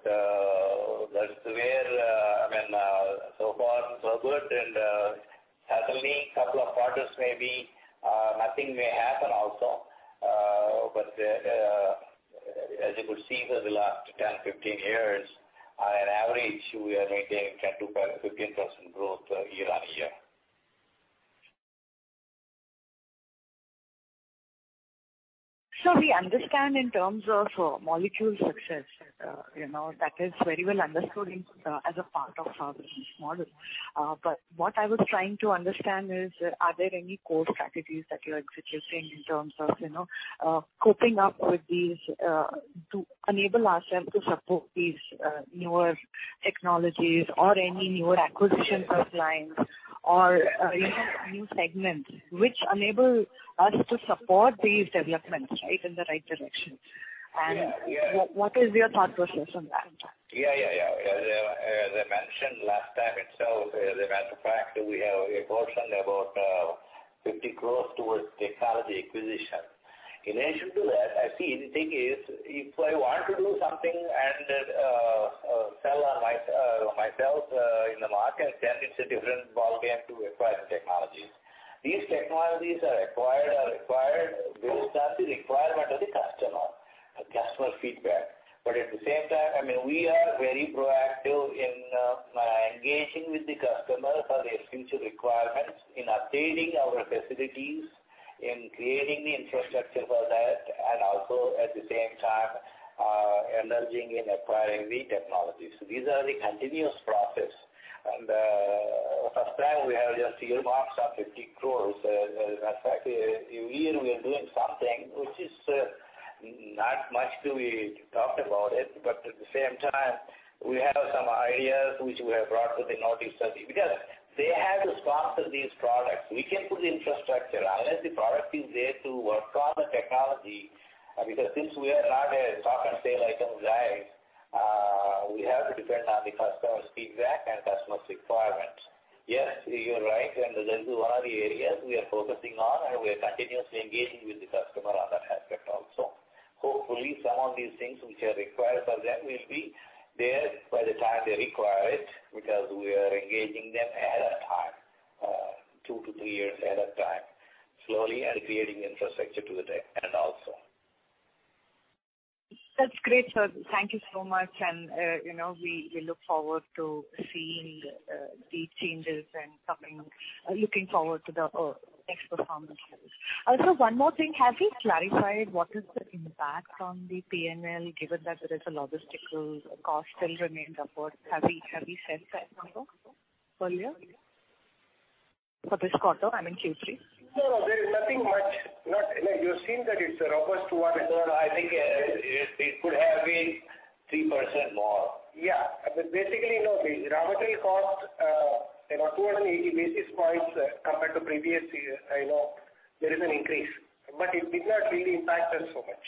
where I mean so far so good. Certainly a couple of products maybe nothing may happen also. But as you could see for the last 10, 15 years, on an average, we are maintaining 10% to 15% growth year-on-year. We understand in terms of molecule success, you know, that is very well understood as a part of our business model. But what I was trying to understand is, are there any core strategies that you're executing in terms of, you know, coping up with these to enable ourselves to support these newer technologies or any newer acquisition of lines or, you know, new segments which enable us to support these developments, right, in the right direction. Yeah. Yeah. What is your thought process on that? As I mentioned last time itself, as a matter of fact, we have a portion about 50 crore towards technology acquisition. In addition to that, I see the thing is if I want to do something and sell on my own in the market, then it's a different ballgame to acquire the technologies. These technologies are acquired or required based on the requirement of the customer feedback. But at the same time, I mean, we are very proactive in engaging with the customer for their future requirements, in updating our facilities, in creating the infrastructure for that, and also at the same time, engaging in acquiring new technologies. These are the continuous process. First time we have just earmarked some INR 50 crore. As a matter of fact, every year we are doing something which is not much do we talk about it, but at the same time, we have some ideas which we have brought to the notice of the because they have to sponsor these products. We can put the infrastructure unless the product is there to work on the technology, because since we are not a talk and sale item guys, we have to depend on the customer's feedback and customer's requirement. Yes, you're right those are the areas we are focusing on, and we are continuously engaging with the customer on that aspect also. Hopefully, some of these things which are required for them will be there by the time they require it because we are engaging them ahead of time, two to three years ahead of time, slowly and creating infrastructure to it, and also. That's great, sir. Thank you so much. You know, we look forward to seeing these changes and looking forward to the next performance. Also one more thing, have you clarified what is the impact on the P&L, given that there is a logistical cost still remains upward? Have you said that number earlier? For this quarter, I mean Q3. No, no. There is nothing much. Like, you've seen that it's a robust 200. I think, it could have been 3% more. Yeah. Basically, you know, the raw material cost, you know, 280 basis points compared to previous year, I know there is an increase, but it did not really impact us so much.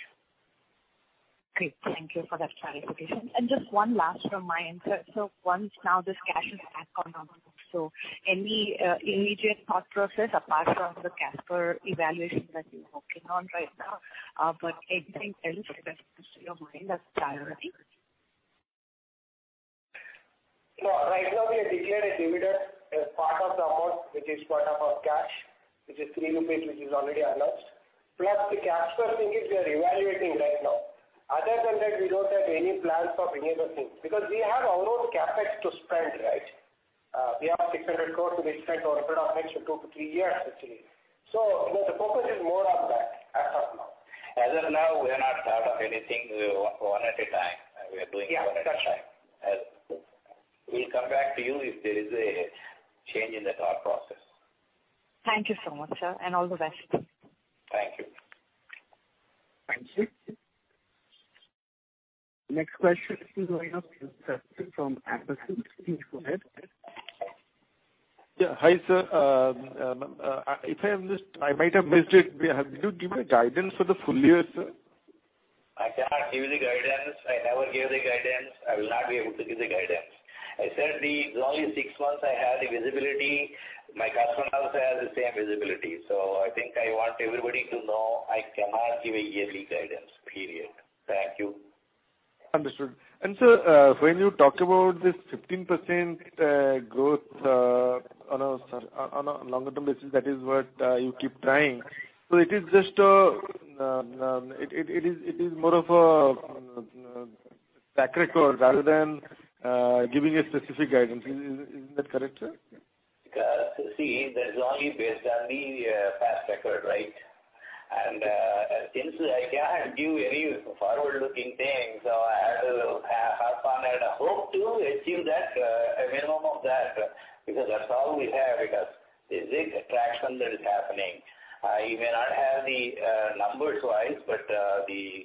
Great. Thank you for that clarification. Just one last from my end, sir. Once now this cash is back on our books, so any immediate thought process apart from the Casper evaluation that you're working on right now, but anything else that comes to your mind that's priority? No. Right now we have declared a dividend as part of the amount, which is part of our cash, which is 3 rupees [unintelligible] which is already+ announced. Plus the Casper thing is we are evaluating right now. Other than that, we don't have any plans for any other thing because we have our own CapEx to spend, right? We have 600 crore to be spent over a period of next two to three years, actually. You know, the focus is more on that as of now. As of now, we are not part of anything we work one at a time, and we are doing one at a time. Yeah. Got you. We'll come back to you if there is a change in the thought process. Thank you so much, sir, and all the best. Thank you. Thank you. Next question is coming up from Ashwin. Please go ahead. Yeah. Hi, sir. I might have missed it. Did you give a guidance for the full year, sir? I can't give you the guidance. I never gave the guidance. I will not be able to give the guidance. I said it's only six months I have the visibility. My customer also has the same visibility. I think I want everybody to know I cannot give a yearly guidance, period. Thank you. Understood. Sir, when you talk about this 15% growth on a longer term basis, that is what you keep trying. It is just more of a track record rather than giving a specific guidance. Is that correct, sir? Because, see, that is only based on the past record, right? Since I can't give any forward-looking things, so I had to hop on and hope to achieve that, a minimum of that, because that's all we have because there's a traction that is happening. I may not have the numbers-wise, but the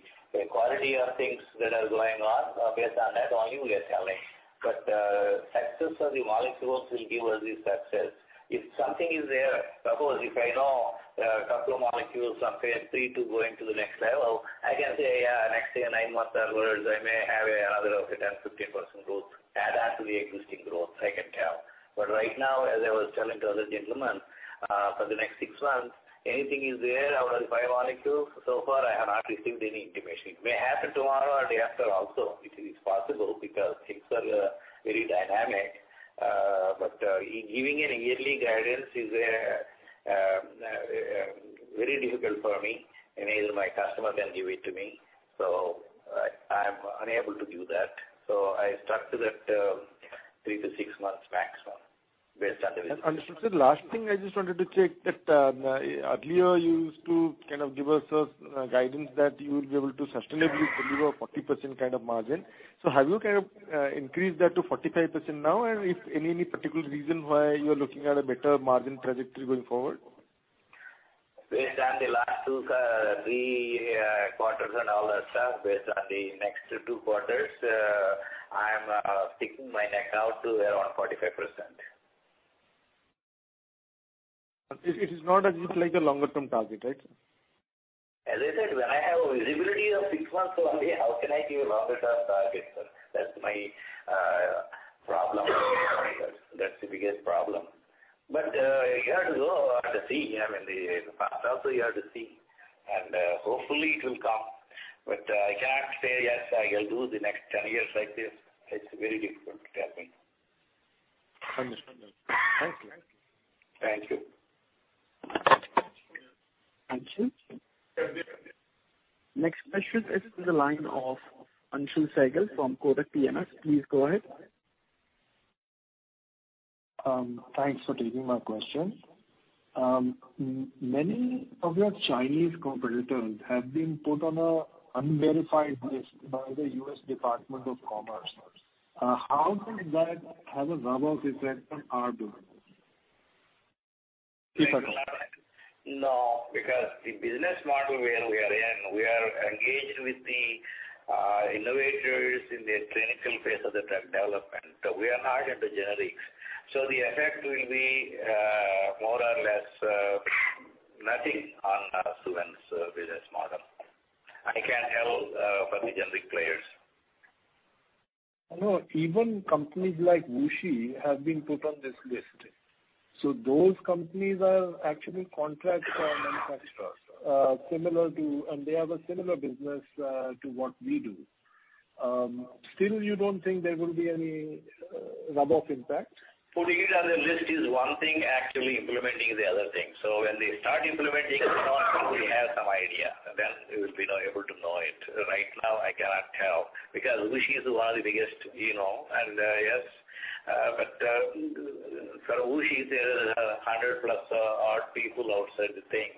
quality of things that are going on, based on that only we are telling. Success of the molecules will give us the success. If something is there, suppose if I know a couple of molecules from Phase III to going to the next level, I can say, yeah, next day, nine months downwards, I may have another 10% to 15% growth add on to the existing growth I can tell. Right now, as I was telling to other gentleman, for the next six months, anything is there out of the five molecules, so far I have not received any intimation it may happen tomorrow or day after also. It is possible because things are very dynamic. Giving a yearly guidance is very difficult for me. Neither my customer can give it to me. I'm unable to do that. I stuck to that, three to six months maximum based on the results. Understood. Last thing I just wanted to check that earlier you used to kind of give us a guidance that you will be able to sustainably deliver a 40% kind of margin. So have you kind of increased that to 45% now? If any particular reason why you're looking at a better margin trajectory going forward? Based on the last three quarters and all that stuff, based on the next two quarters, I'm sticking my neck out to around 45%. It is not as if like a longer term target, right? As I said, when I have a visibility of six months only, how can I give a longer term target, sir? That's my problem. That's the biggest problem. You have to go to see. I mean, the past also you have to see, and hopefully it will come. I can't say yes, I will do the next ten years like this. It's very difficult to tell me. Understood. Thank you. Thank you. Thank you. Next question is in the line of Anshul Saigal from Kotak [Uninteligible]. Please go ahead. Thanks for taking my question. Many of your Chinese competitors have been put on an Unverified List by the U.S. Department of Commerce. How could that have a rub-off effect on our business? No, because the business model where we are in, we are engaged with the innovators in the clinical phase of the drug development. We are not into generics. The effect will be more or less nothing on Suven's business model. I can't tell for the generic players. No, even companies like WuXi have been put on this list. Those companies are actually contract manufacturers. They have a similar business to what we do. Still you don't think there will be any rub-off impact? Putting it on the list is one thing actually implementing is the other thing so when they start implementing we have some idea, then we will be now able to know it right now I cannot tell because WuXi is one of the biggest, you know, and for WuXi there is 100 plus people outside the thing,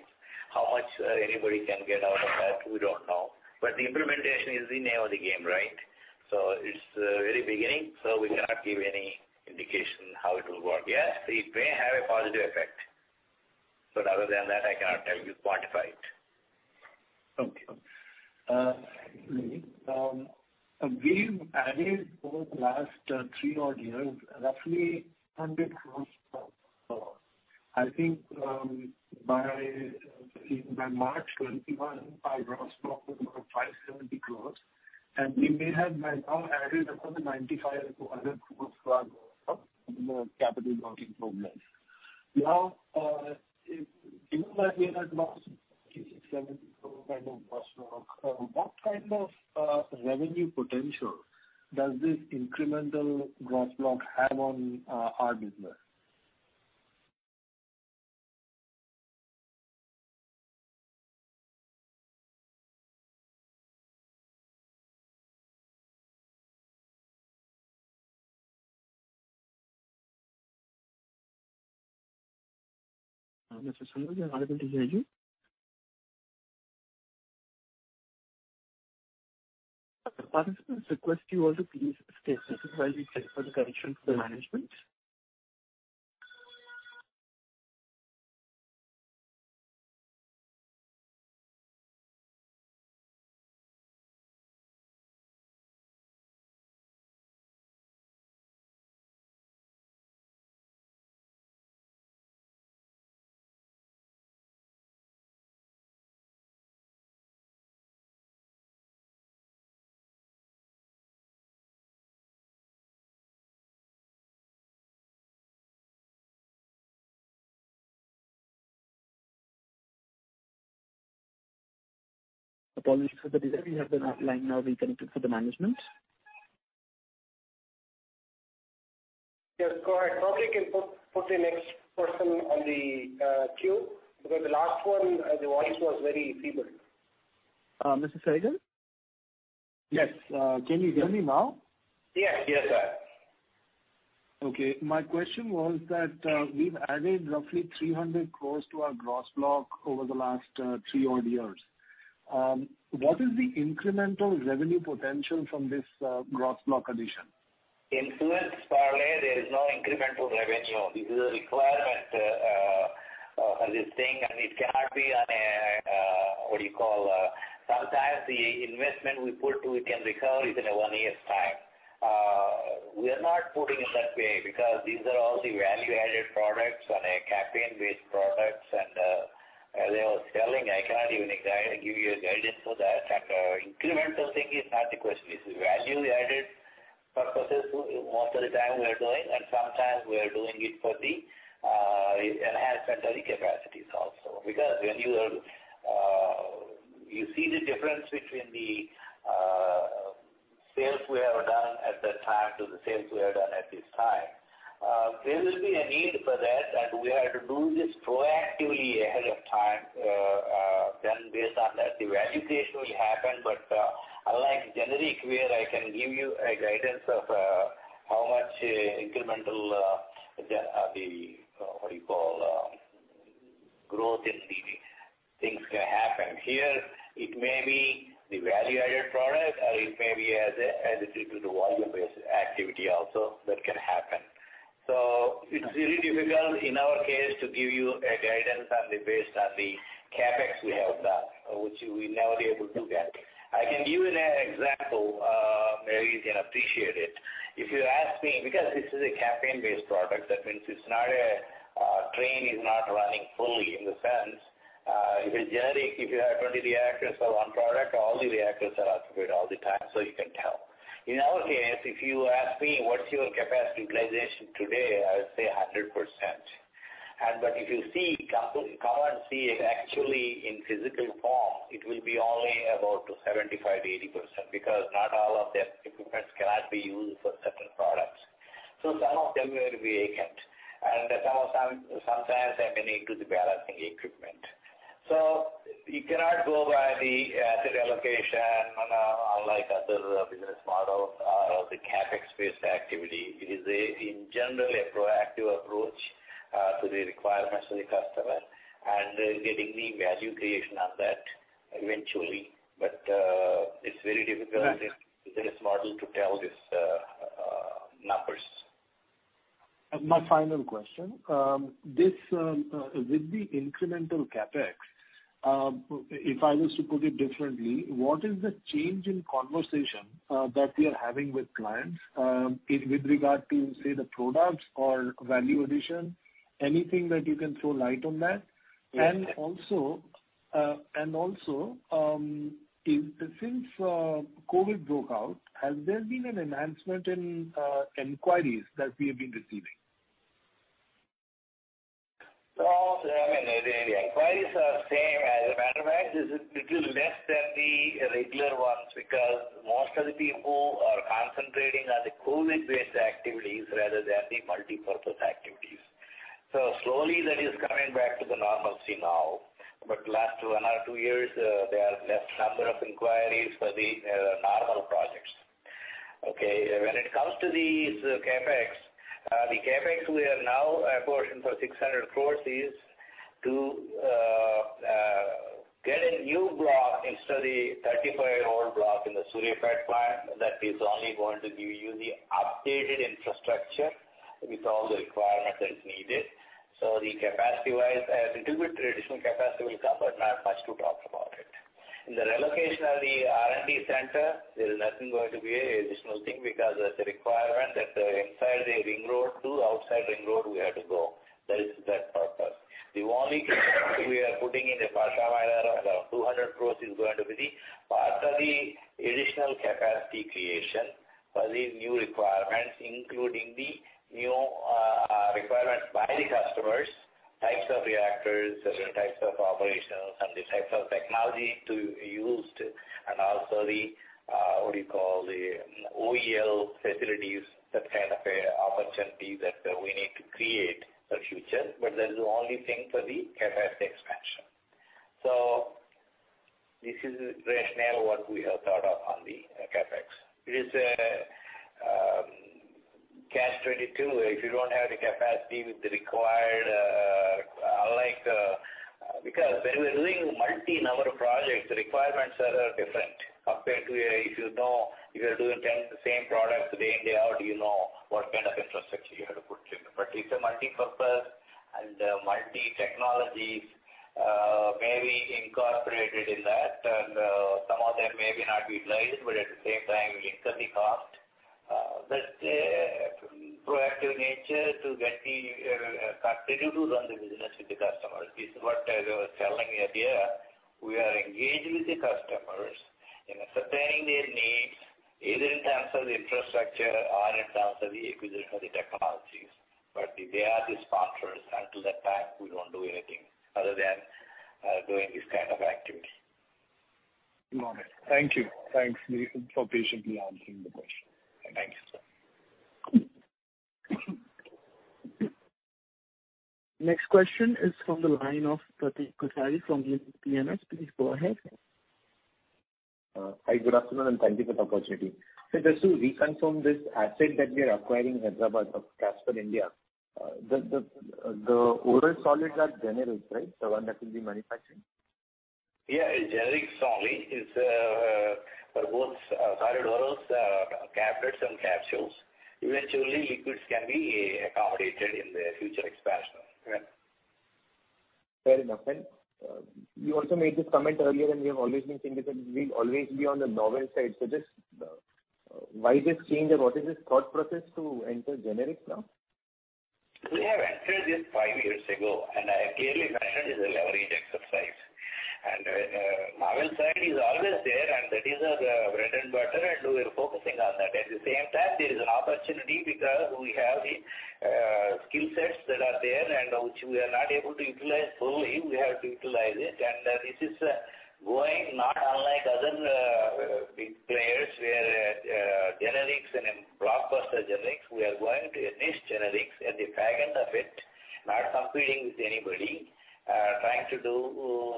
how much anybody can get out of that, we don't know. The implementation is the name of the game, right? It's the very beginning, so we cannot give any indication how it will work yes, it may have a positive effect. Other than that, I cannot tell you, quantify it. Okay. We've added over the last three odd years, roughly 100 gross. I think by March 2021, our gross profit was INR 570 crores, and we may have by now added another INR 95 to 100 crores to our growth of the capital routing program. Now given that we had lost 67 kind of gross profit, what kind of revenue potential does this incremental gross block have on our business? Mr. Anshul, your line is ready. Participants request you all to please stay silent while we check for the connection to the management. Apologies for the delay you have the line now reconnected for the management. Yes, go ahead probably you can put the next person on the queue because the last one, the voice was very feeble. Mr. [unintelligible] Yes. Can you hear me now? Yes. Yes, sir. My question was that, we've added roughly 300 crore to our gross block over the last three odd years. What is the incremental revenue potential from this gross block addition? Investment per se, there is no incremental revenue this is a requirement of this thing, and it cannot be on a what do you call. Sometimes the investment we put into it can recover within one year's time. We are not putting it that way because these are all the value-added products or campaign-based products. As I was telling, I cannot even give you a guidance for that. Incremental thing is not the question. It's value-added purposes most of the time we are doing, and sometimes we are doing it for the enhancement of the capacities also. You see the difference between the sales we have done at that time to the sales we have done at this time. There will be a need for that, and we have to do this proactively ahead of time, then based on that, the value creation will happen. Unlike generic, where I can give you a guidance of how much incremental growth in the things can happen. Here, it may be the value-added product, or it may be an additive to the volume-based activity also that can happen. It's really difficult in our case to give you a guidance based on the CapEx we have done, which we never be able to get. I can give you an example where you can appreciate it. If you ask me, because this is a CapEx-based product, that means the plant is not running fully in the sense. If a generic, if you have 20 reactors for one product, all the reactors are occupied all the time, so you can tell. In our case, if you ask me, what's your capacity utilization today, I would say 100%. But if you see you can't see it actually in physical form, it will be only about 75% to 80% because not all of the equipments cannot be used for certain products. Some of them will be vacant. Sometimes they're going into the balancing equipment. You cannot go by the asset allocation on a, unlike other business models or the CapEx-based activity. It is, in general, a proactive approach to the requirements of the customer, and getting the value creation on that eventually. It's very difficult as a business model to tell this numbers. My final question. This with the incremental CapEx, if I was to put it differently, what is the change in conversation that we are having with clients in regard to, say, the products or value addition? Anything that you can throw light on that. Yes. Since COVID broke out, has there been an enhancement in inquiries that we have been receiving? I mean, the inquiries are same. As a matter of fact, this is little less than the regular ones because most of the people are concentrating on the COVID-based activities rather than the multipurpose activities. Slowly that is coming back to the normalcy now. Last one or two years, there are less number of inquiries for the normal projects. Okay. When it comes to these CapEx, the CapEx we are now apportioned for 600 crore is to get a new block instead of the 35-year-old block in the Suryapet plant that is only going to give you the updated infrastructure with all the requirements that is needed. The capacity-wise, a little bit traditional capacity will come, but not much to talk about it. In the relocation of the R&D center, there is nothing going to be an additional thing because that's a requirement that inside the ring road to outside ring road we have to go. That is that purpose. The only we are putting in the Pashamylaram, around 200 crores, is going to be the part of the additional capacity creation for the new requirements, including the new requirements by the customers, types of reactors, different types of operations, and the types of technology to be used, and also what do you call, the OEL facilities. That kind of an opportunity that we need to create for future. That is the only thing for the capacity expansion. This is the rationale what we have thought of on the CapEx. It is a catch-22 if you don't have the capacity with the required. Because when we're doing multi-number projects, the requirements are different compared to if you know you are doing 10 of the same products day in, day out, you know what kind of infrastructure you have to put in. It's a multipurpose and multi technologies may be incorporated in that, and some of them may be not utilized, but at the same time will incur the cost. That's a proactive nature to get the contributor to run the business with the customers. This is what I was telling earlier. We are engaged with the customers in sustaining their needs, either in terms of the infrastructure or in terms of the acquisition of the technologies. They are the sponsors. Until that time, we don't do anything other than doing this kind of activity. Got it. Thank you. Thanks for patiently answering the question. Thank you, sir. Next question is from the line of Pratik Kothari from Unique PMS. Please go ahead. Hi, good afternoon, and thank you for the opportunity. Just to reconfirm this asset that we are acquiring Hyderabad of Casper Pharma, the oral solids are generics, right? The one that will be manufacturing. Yeah, generic solid is for both tablets and capsules. Eventually, liquids can be accommodated in the future expansion. Fair enough. You also made this comment earlier, and we have always been thinking that we'll always be on the novel side. Just, why this change and what is this thought process to enter generic now? We have entered this five years ago, and I clearly mentioned it's a leverage exercise. Novel side is always there, and that is our bread and butter, and we're focusing on that. At the same time, there is an opportunity because we have the skill sets that are there and which we are not able to utilize fully. We have to utilize it. This is going not unlike other big players where generics and blockbuster generics, we are going to a niche generics at the fringe of it, not competing with anybody, trying to do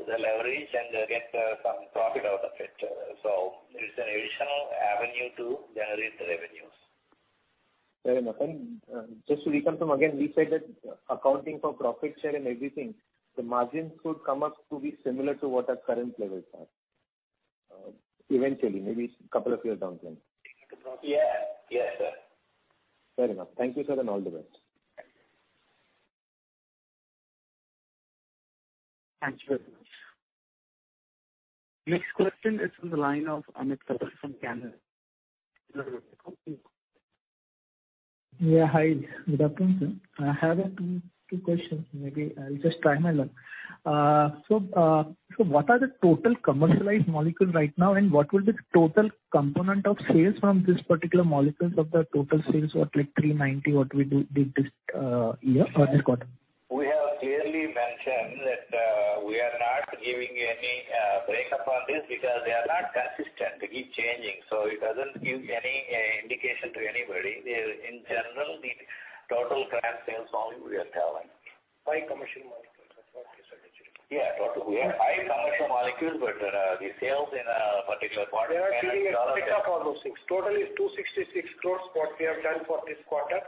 the leverage and get some profit out of it. It's an additional avenue to generate the revenues. Very nice. Just to reconfirm again, we said that accounting for profit share and everything, the margins could come up to be similar to what our current levels are, eventually, maybe couple of years down the line. Yeah. Yeah, yeah. Fair enough. Thank you, sir, and all the best. Thank you. Thanks very much. Next question is from the line of Amit Mittal from Canara. Hi. Good afternoon, sir. I have two questions. Maybe I'll just try my luck. What are the total commercialized molecules right now, and what will be the total component of sales from this particular molecules of the total sales, like 390 what we did this year or this quarter? We have clearly mentioned that we are not giving any breakup on this because they are not consistent. They keep changing, so it doesn't give any indication to anybody. In general, the total CRAMS sales volume we are telling. five commercial molecules. That's what you said. We have five commercial molecules, but the sales in a particular quarter cannot be- They are giving a pick-up on those things. Totally 266 crore what we have done for this quarter.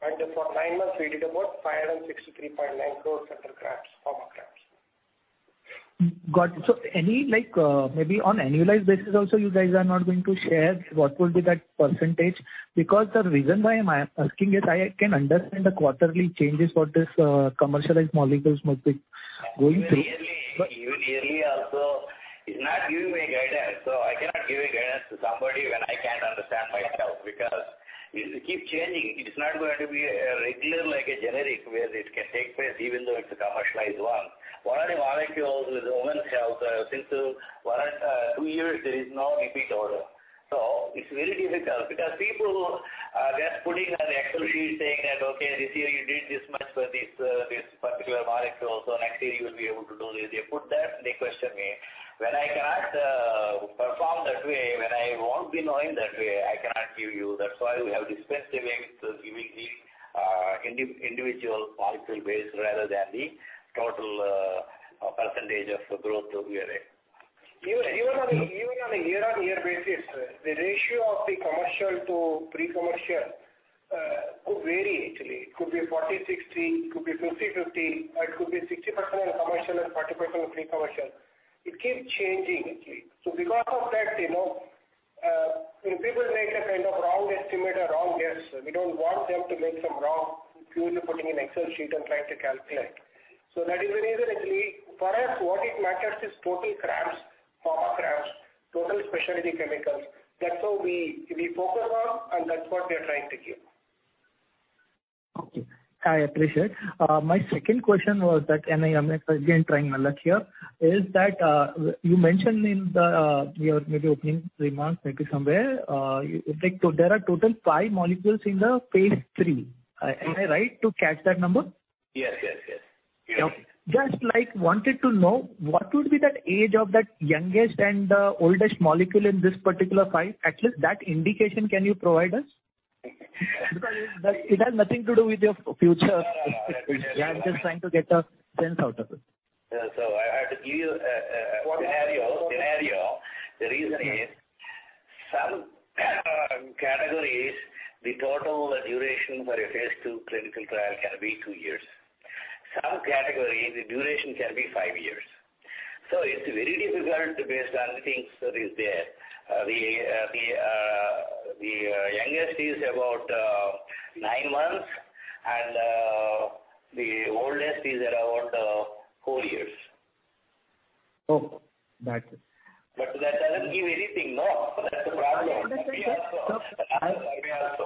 For nine months we did about 563.9 crore under CRAMS, Pharma CRAMS. Got it. Any, like, maybe on annualized basis also you guys are not going to share what will be that percentage? Because the reason why I'm asking is I can understand the quarterly changes for this commercialized molecules must be going through. Even yearly also is not giving guidance. I cannot give guidance to somebody when I can't understand myself because it keeps changing. It is not going to be a regular like a generic where it can take place even though it's a commercialized one. One of the molecules with women's health, since one and two years, there is no repeat order. It's very difficult because people, they are putting an Excel sheet saying that, "Okay, this year you did this much for this particular molecule. So next year you will be able to do this." They put that and they question me. When I cannot perform that way, when I won't be knowing that way, I cannot give you. That's why we have dispensed away giving the Individual molecule basis rather than the total percentage of the growth year rate. Even on a year-on-year basis, the ratio of the commercial to pre-commercial could vary actually. It could be 40/60, it could be 50/50, or it could be 60% commercial and 40% pre-commercial. It keeps changing actually. Because of that, you know, people make a kind of wrong estimate or wrong guess. We don't want them to make some wrong purely putting in Excel sheet and trying to calculate. That is the reason actually. For us, what it matters is total CRAMS, Pharma CRAMS, total specialty chemicals. That's how we focus on, and that's what we are trying to give. Okay. I appreciate. My second question was that, and I am again trying my luck here, is that, you mentioned in your maybe opening remarks, maybe somewhere, like there are total five molecules in Phase III. Am I right to catch that number? Yes, yes. You're right. Just, like, wanted to know what would be the age of that youngest and the oldest molecule in this particular five. At least that indication can you provide us? It has nothing to do with your future. I'm just trying to get a sense out of it. I have to give you a scenario. The reason is some categories, the total duration for a Phase II clinical trial can be two years. Some categories, the duration can be five years. It's very difficult to base anything that is there. The youngest is about nine months and the oldest is around four years. Oh, got you. That doesn't give anything. No. That's the problem. I understand,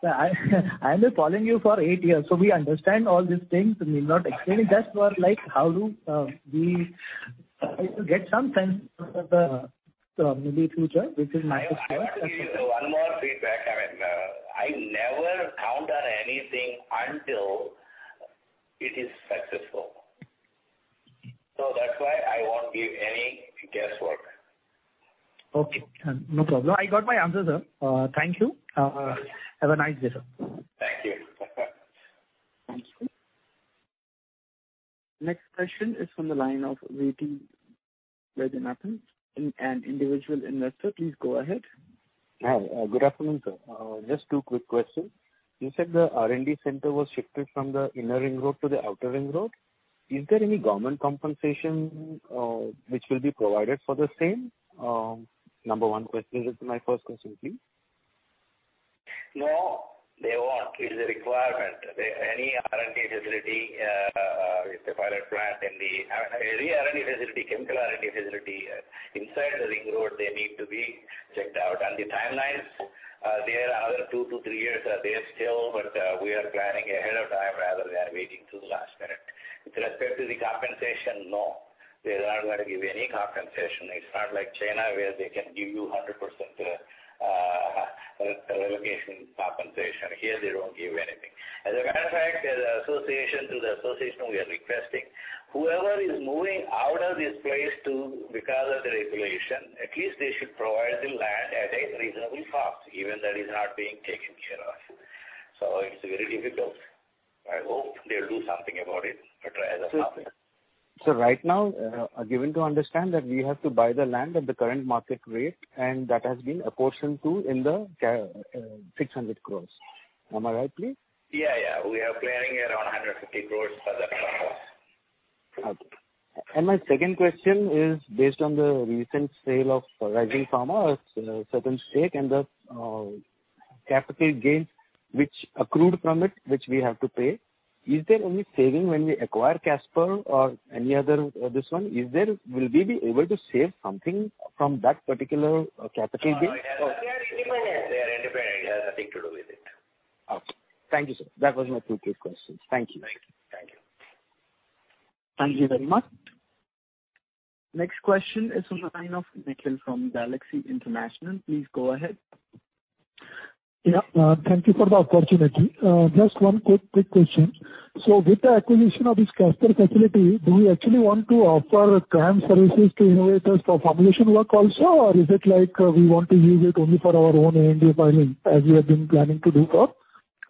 sir. I have been following you for eight years, so we understand all these things. Need not explain. It's just for, like, how do we get some sense of the maybe future, which is my first question. I'll give you one more feedback. I mean, I never count on anything until it is successful. That's why I won't give any guesswork. Okay. No problem. I got my answer, sir. Thank you. Have a nice day, sir. Thank you. Thank you. Next question is from the line of V. T. Rajanathan, an Individual Investor. Please go ahead. Hi. Good afternoon, sir. Just two quick questions. You said the R&D center was shifted from the inner ring road to the outer ring road. Is there any government compensation, which will be provided for the same? Number one question. This is my first question, please. No, they won't. It's a requirement. Any R&D facility with the pilot plant in the R&D facility, chemical R&D facility inside the ring road, they need to be checked out. The timelines, they are another two to three years. We are planning ahead of time rather than waiting till the last minute. With respect to the compensation, no, they're not gonna give any compensation. It's not like China, where they can give you 100% relocation compensation. Here, they don't give anything. As a matter of fact, to the association we are requesting, whoever is moving out of this place because of the regulation, at least they should provide the land at a reasonable cost. Even that is not being taken care of. It's very difficult. I hope they'll do something about it, but as of now. Right now, I am given to understand that we have to buy the land at the current market rate, and that has been a portion, too, in the 600 crore. Am I right, please? Yeah, yeah. We are planning around 150 crores for that purpose. Okay. My second question is based on the recent sale of Rising Pharmaceuticals, certain stake and the capital gains which accrued from it, which we have to pay. Is there any saving when we acquire Casper Pharma or any other this one? Will we be able to save something from that particular capital gain? They are independent. It has nothing to do with it. Okay. Thank you, sir. That was my two quick questions. Thank you. Thank you. Thank you very much. Next question is from the line of Nikhil from Galaxy International. Please go ahead. Yeah. Thank you for the opportunity. Just one quick question. With the acquisition of this Casper facility, do we actually want to offer CRAMS services to innovators for formulation work also? Or is it like, we want to use it only for our own ANDA filing, as we have been planning to do for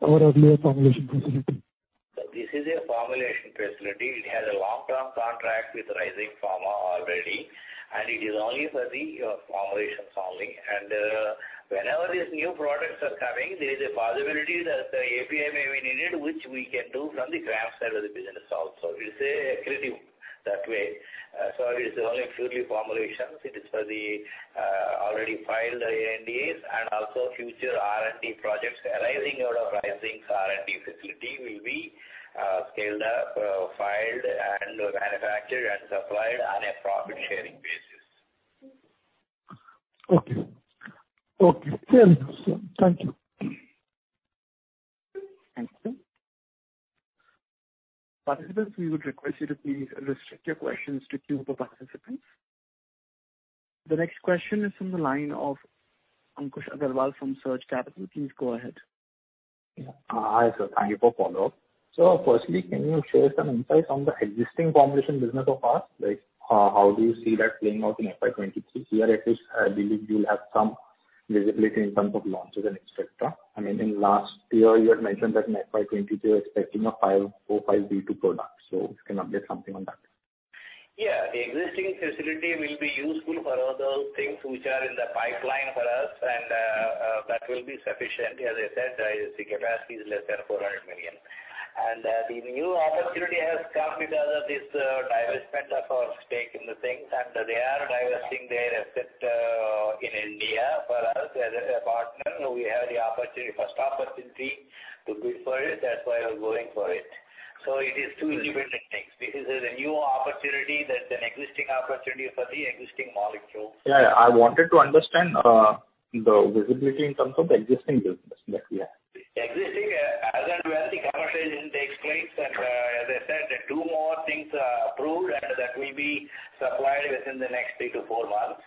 our earlier formulation facility? This is a formulation facility. It has a long-term contract with Rising Pharma already, and it is only for the formulation only. Whenever these new products are coming, there is a possibility that the API may be needed, which we can do from the CRAMS side of the business also. It's creative that way. It's only purely formulations. It is for the already filed ANDAs and also future R&D projects arising out of Rising's R&D facility will be scaled up, filed and manufactured and supplied on a profit-sharing basis. Okay. Thank you, sir. Thank you. Thank you. Participants, we would request you to please restrict your questions to queue for participants. The next question is from the line of Ankush Agrawal from Surge Capital. Please go ahead. Hi, sir. Thank you for follow-up. Firstly, can you share some insights on the existing formulation business of ours? Like, how do you see that playing out in FY 2023? Here at least I believe you'll have some visibility in terms of launches and et cetera. I mean, in last year you had mentioned that in FY 2023 you're expecting five or four 505(b)(2) products. If you can update something on that. Yeah, the existing facility will be useful for all those things which are in the pipeline for us, and that will be sufficient. As I said, the capacity is less than 400 million. The new opportunity has come because of this divestment of our stake in the things, and they are divesting their asset in India. For us, as a partner, we have the opportunity, first opportunity to bid for it, that's why we're going for it. It is two independent things. This is a new opportunity, that's an existing opportunity for the existing molecule. Yeah. I wanted to understand the visibility in terms of the existing business that we have. Existing, as and when the commercialization takes place, and as I said, two more things are approved, and that will be supplied within the next three to four months.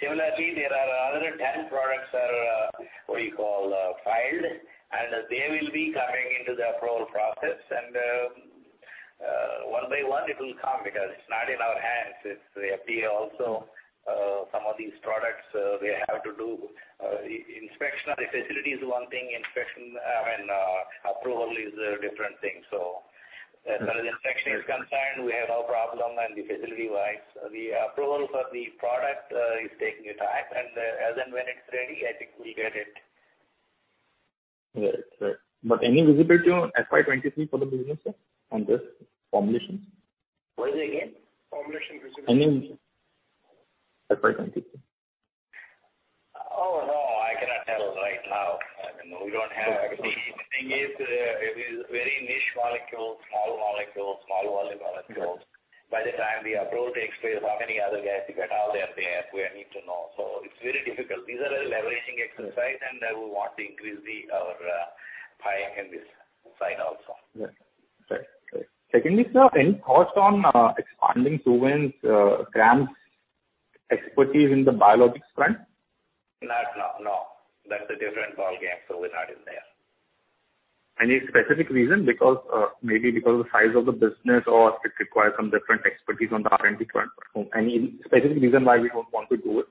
Similarly, there are another 10 products that are, what do you call, filed, and they will be coming into the approval process. One by one it will come because it's not in our hands. It's the API also. Some of these products, inspection of the facility is one thing. I mean, approval is a different thing. As far as inspection is concerned, we have no problem facility-wise. The approval for the product is taking time, and as and when it's ready, I think we'll get it. Right. Any visibility on FY 2023 for the business, sir, on this formulations? What is it again? Formulation visibility. I mean, FY 2023. Oh, no, I cannot tell right now. I mean, we don't have. The thing is, it is very niche molecule, small molecule, small volume molecule. By the time the approval takes place, how many other guys to get all their API, we need to know. So it's very difficult. These are a leveraging exercise, and we want to increase the our pie in this side also. Right. Secondly, sir, any thoughts on expanding Suven's CRAMS expertise in the biologics front? Not now, no. That's a different ballgame, so we're not in there. Any specific reason? Because, maybe because of the size of the business or it requires some different expertise on the R&D front. Any specific reason why we don't want to do it?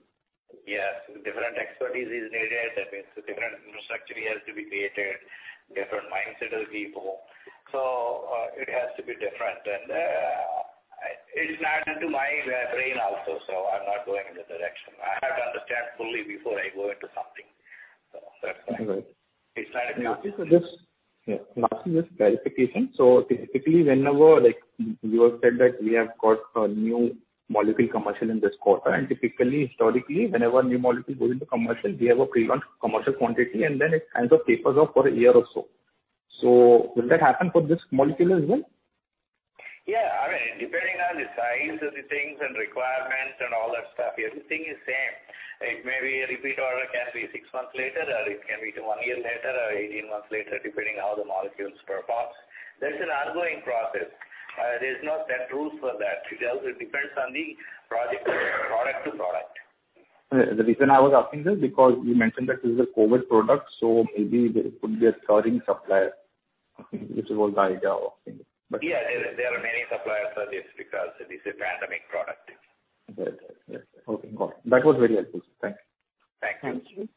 Yes. Different expertise is needed. That means different infrastructure has to be created, different mindset of people. It has to be different. It's not into my brain also, so I'm not going in that direction. I have to understand fully before I go into something. That's why. Right. It's not in my system. Yeah. Last, just a clarification. Typically, whenever, like, you have said that we have got a new molecule commercial in this quarter, and typically, historically, whenever a new molecule goes into commercial, we have a pre-run commercial quantity, and then it kind of tapers off for a year or so. Will that happen for this molecule as well? Yeah. I mean, depending on the size of the things and requirements and all that stuff, everything is same. It may be a repeat order, can be six months later, or it can be one year later or 18 months later, depending how the molecules performs. That's an ongoing process. There's no set rules for that. It all depends on the project, product to product. The reason I was asking this because you mentioned that this is a COVID product, so maybe there could be a scarring supplier, which is all the idea of things. Yeah. There are many suppliers for this because it is a pandemic product. Right. Okay, got it. That was very helpful, sir. Thanks. Thank you. Thank you.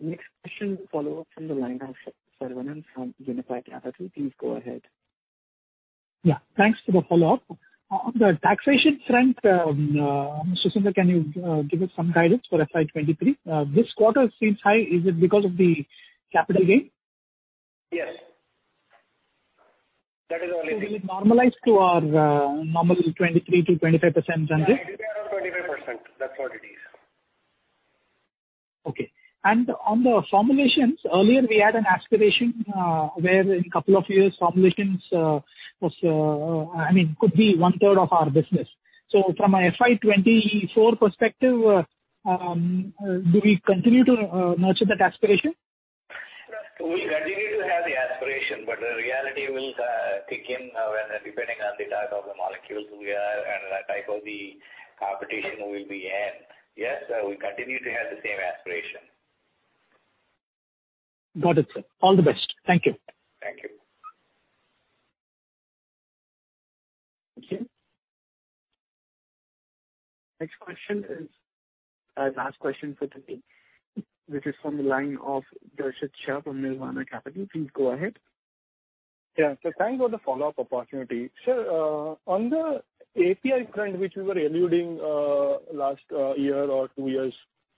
Next question, follow-up from the line of Saravanan from Unifi Capital. Please go ahead. Yeah. Thanks for the follow-up. On the taxation front, Mr. Sunder, can you give us some guidance for FY 2023? This quarter seems high. Is it because of the capital gain? Yes. That is only. Will it normalize to our normal 23% to 25% range? [inaudible] Okay. On the formulations, earlier we had an aspiration, wherein a couple of years formulations could be 1/3 of our business. From a FY 2024 perspective, do we continue to nurture that aspiration? We continue to have the aspiration, but the reality will kick in when depending on the type of the molecules we are and the type of the competition we'll be in. Yes, we continue to have the same aspiration. Got it, sir. All the best. Thank you. Thank you. Okay. Next question is, last question for today, which is from the line of Darshit Shah from Nirvana Capital. Please go ahead. Yeah. Thanks for the follow-up opportunity. Sir, on the API front, which we were alluding to last year or two years,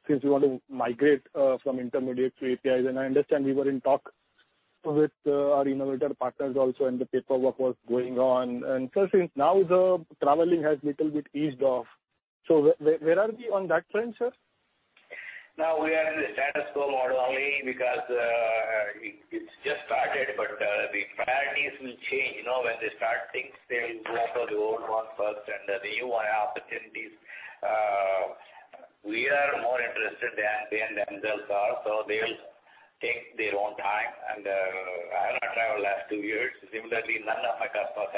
since we want to migrate from intermediate to APIs, and I understand we were in talks with our innovator partners also, and the paperwork was going on. Sir, since now the traveling has little bit eased off, so where are we on that front, sir? Now we are in the status quo mode only because it's just started, but the priorities will change. You know, when they start things, they will go for the old one first and the new one opportunities. We are more interested than they themselves are, so they'll take their own time. I have not traveled last two years. Similarly, none of my customers have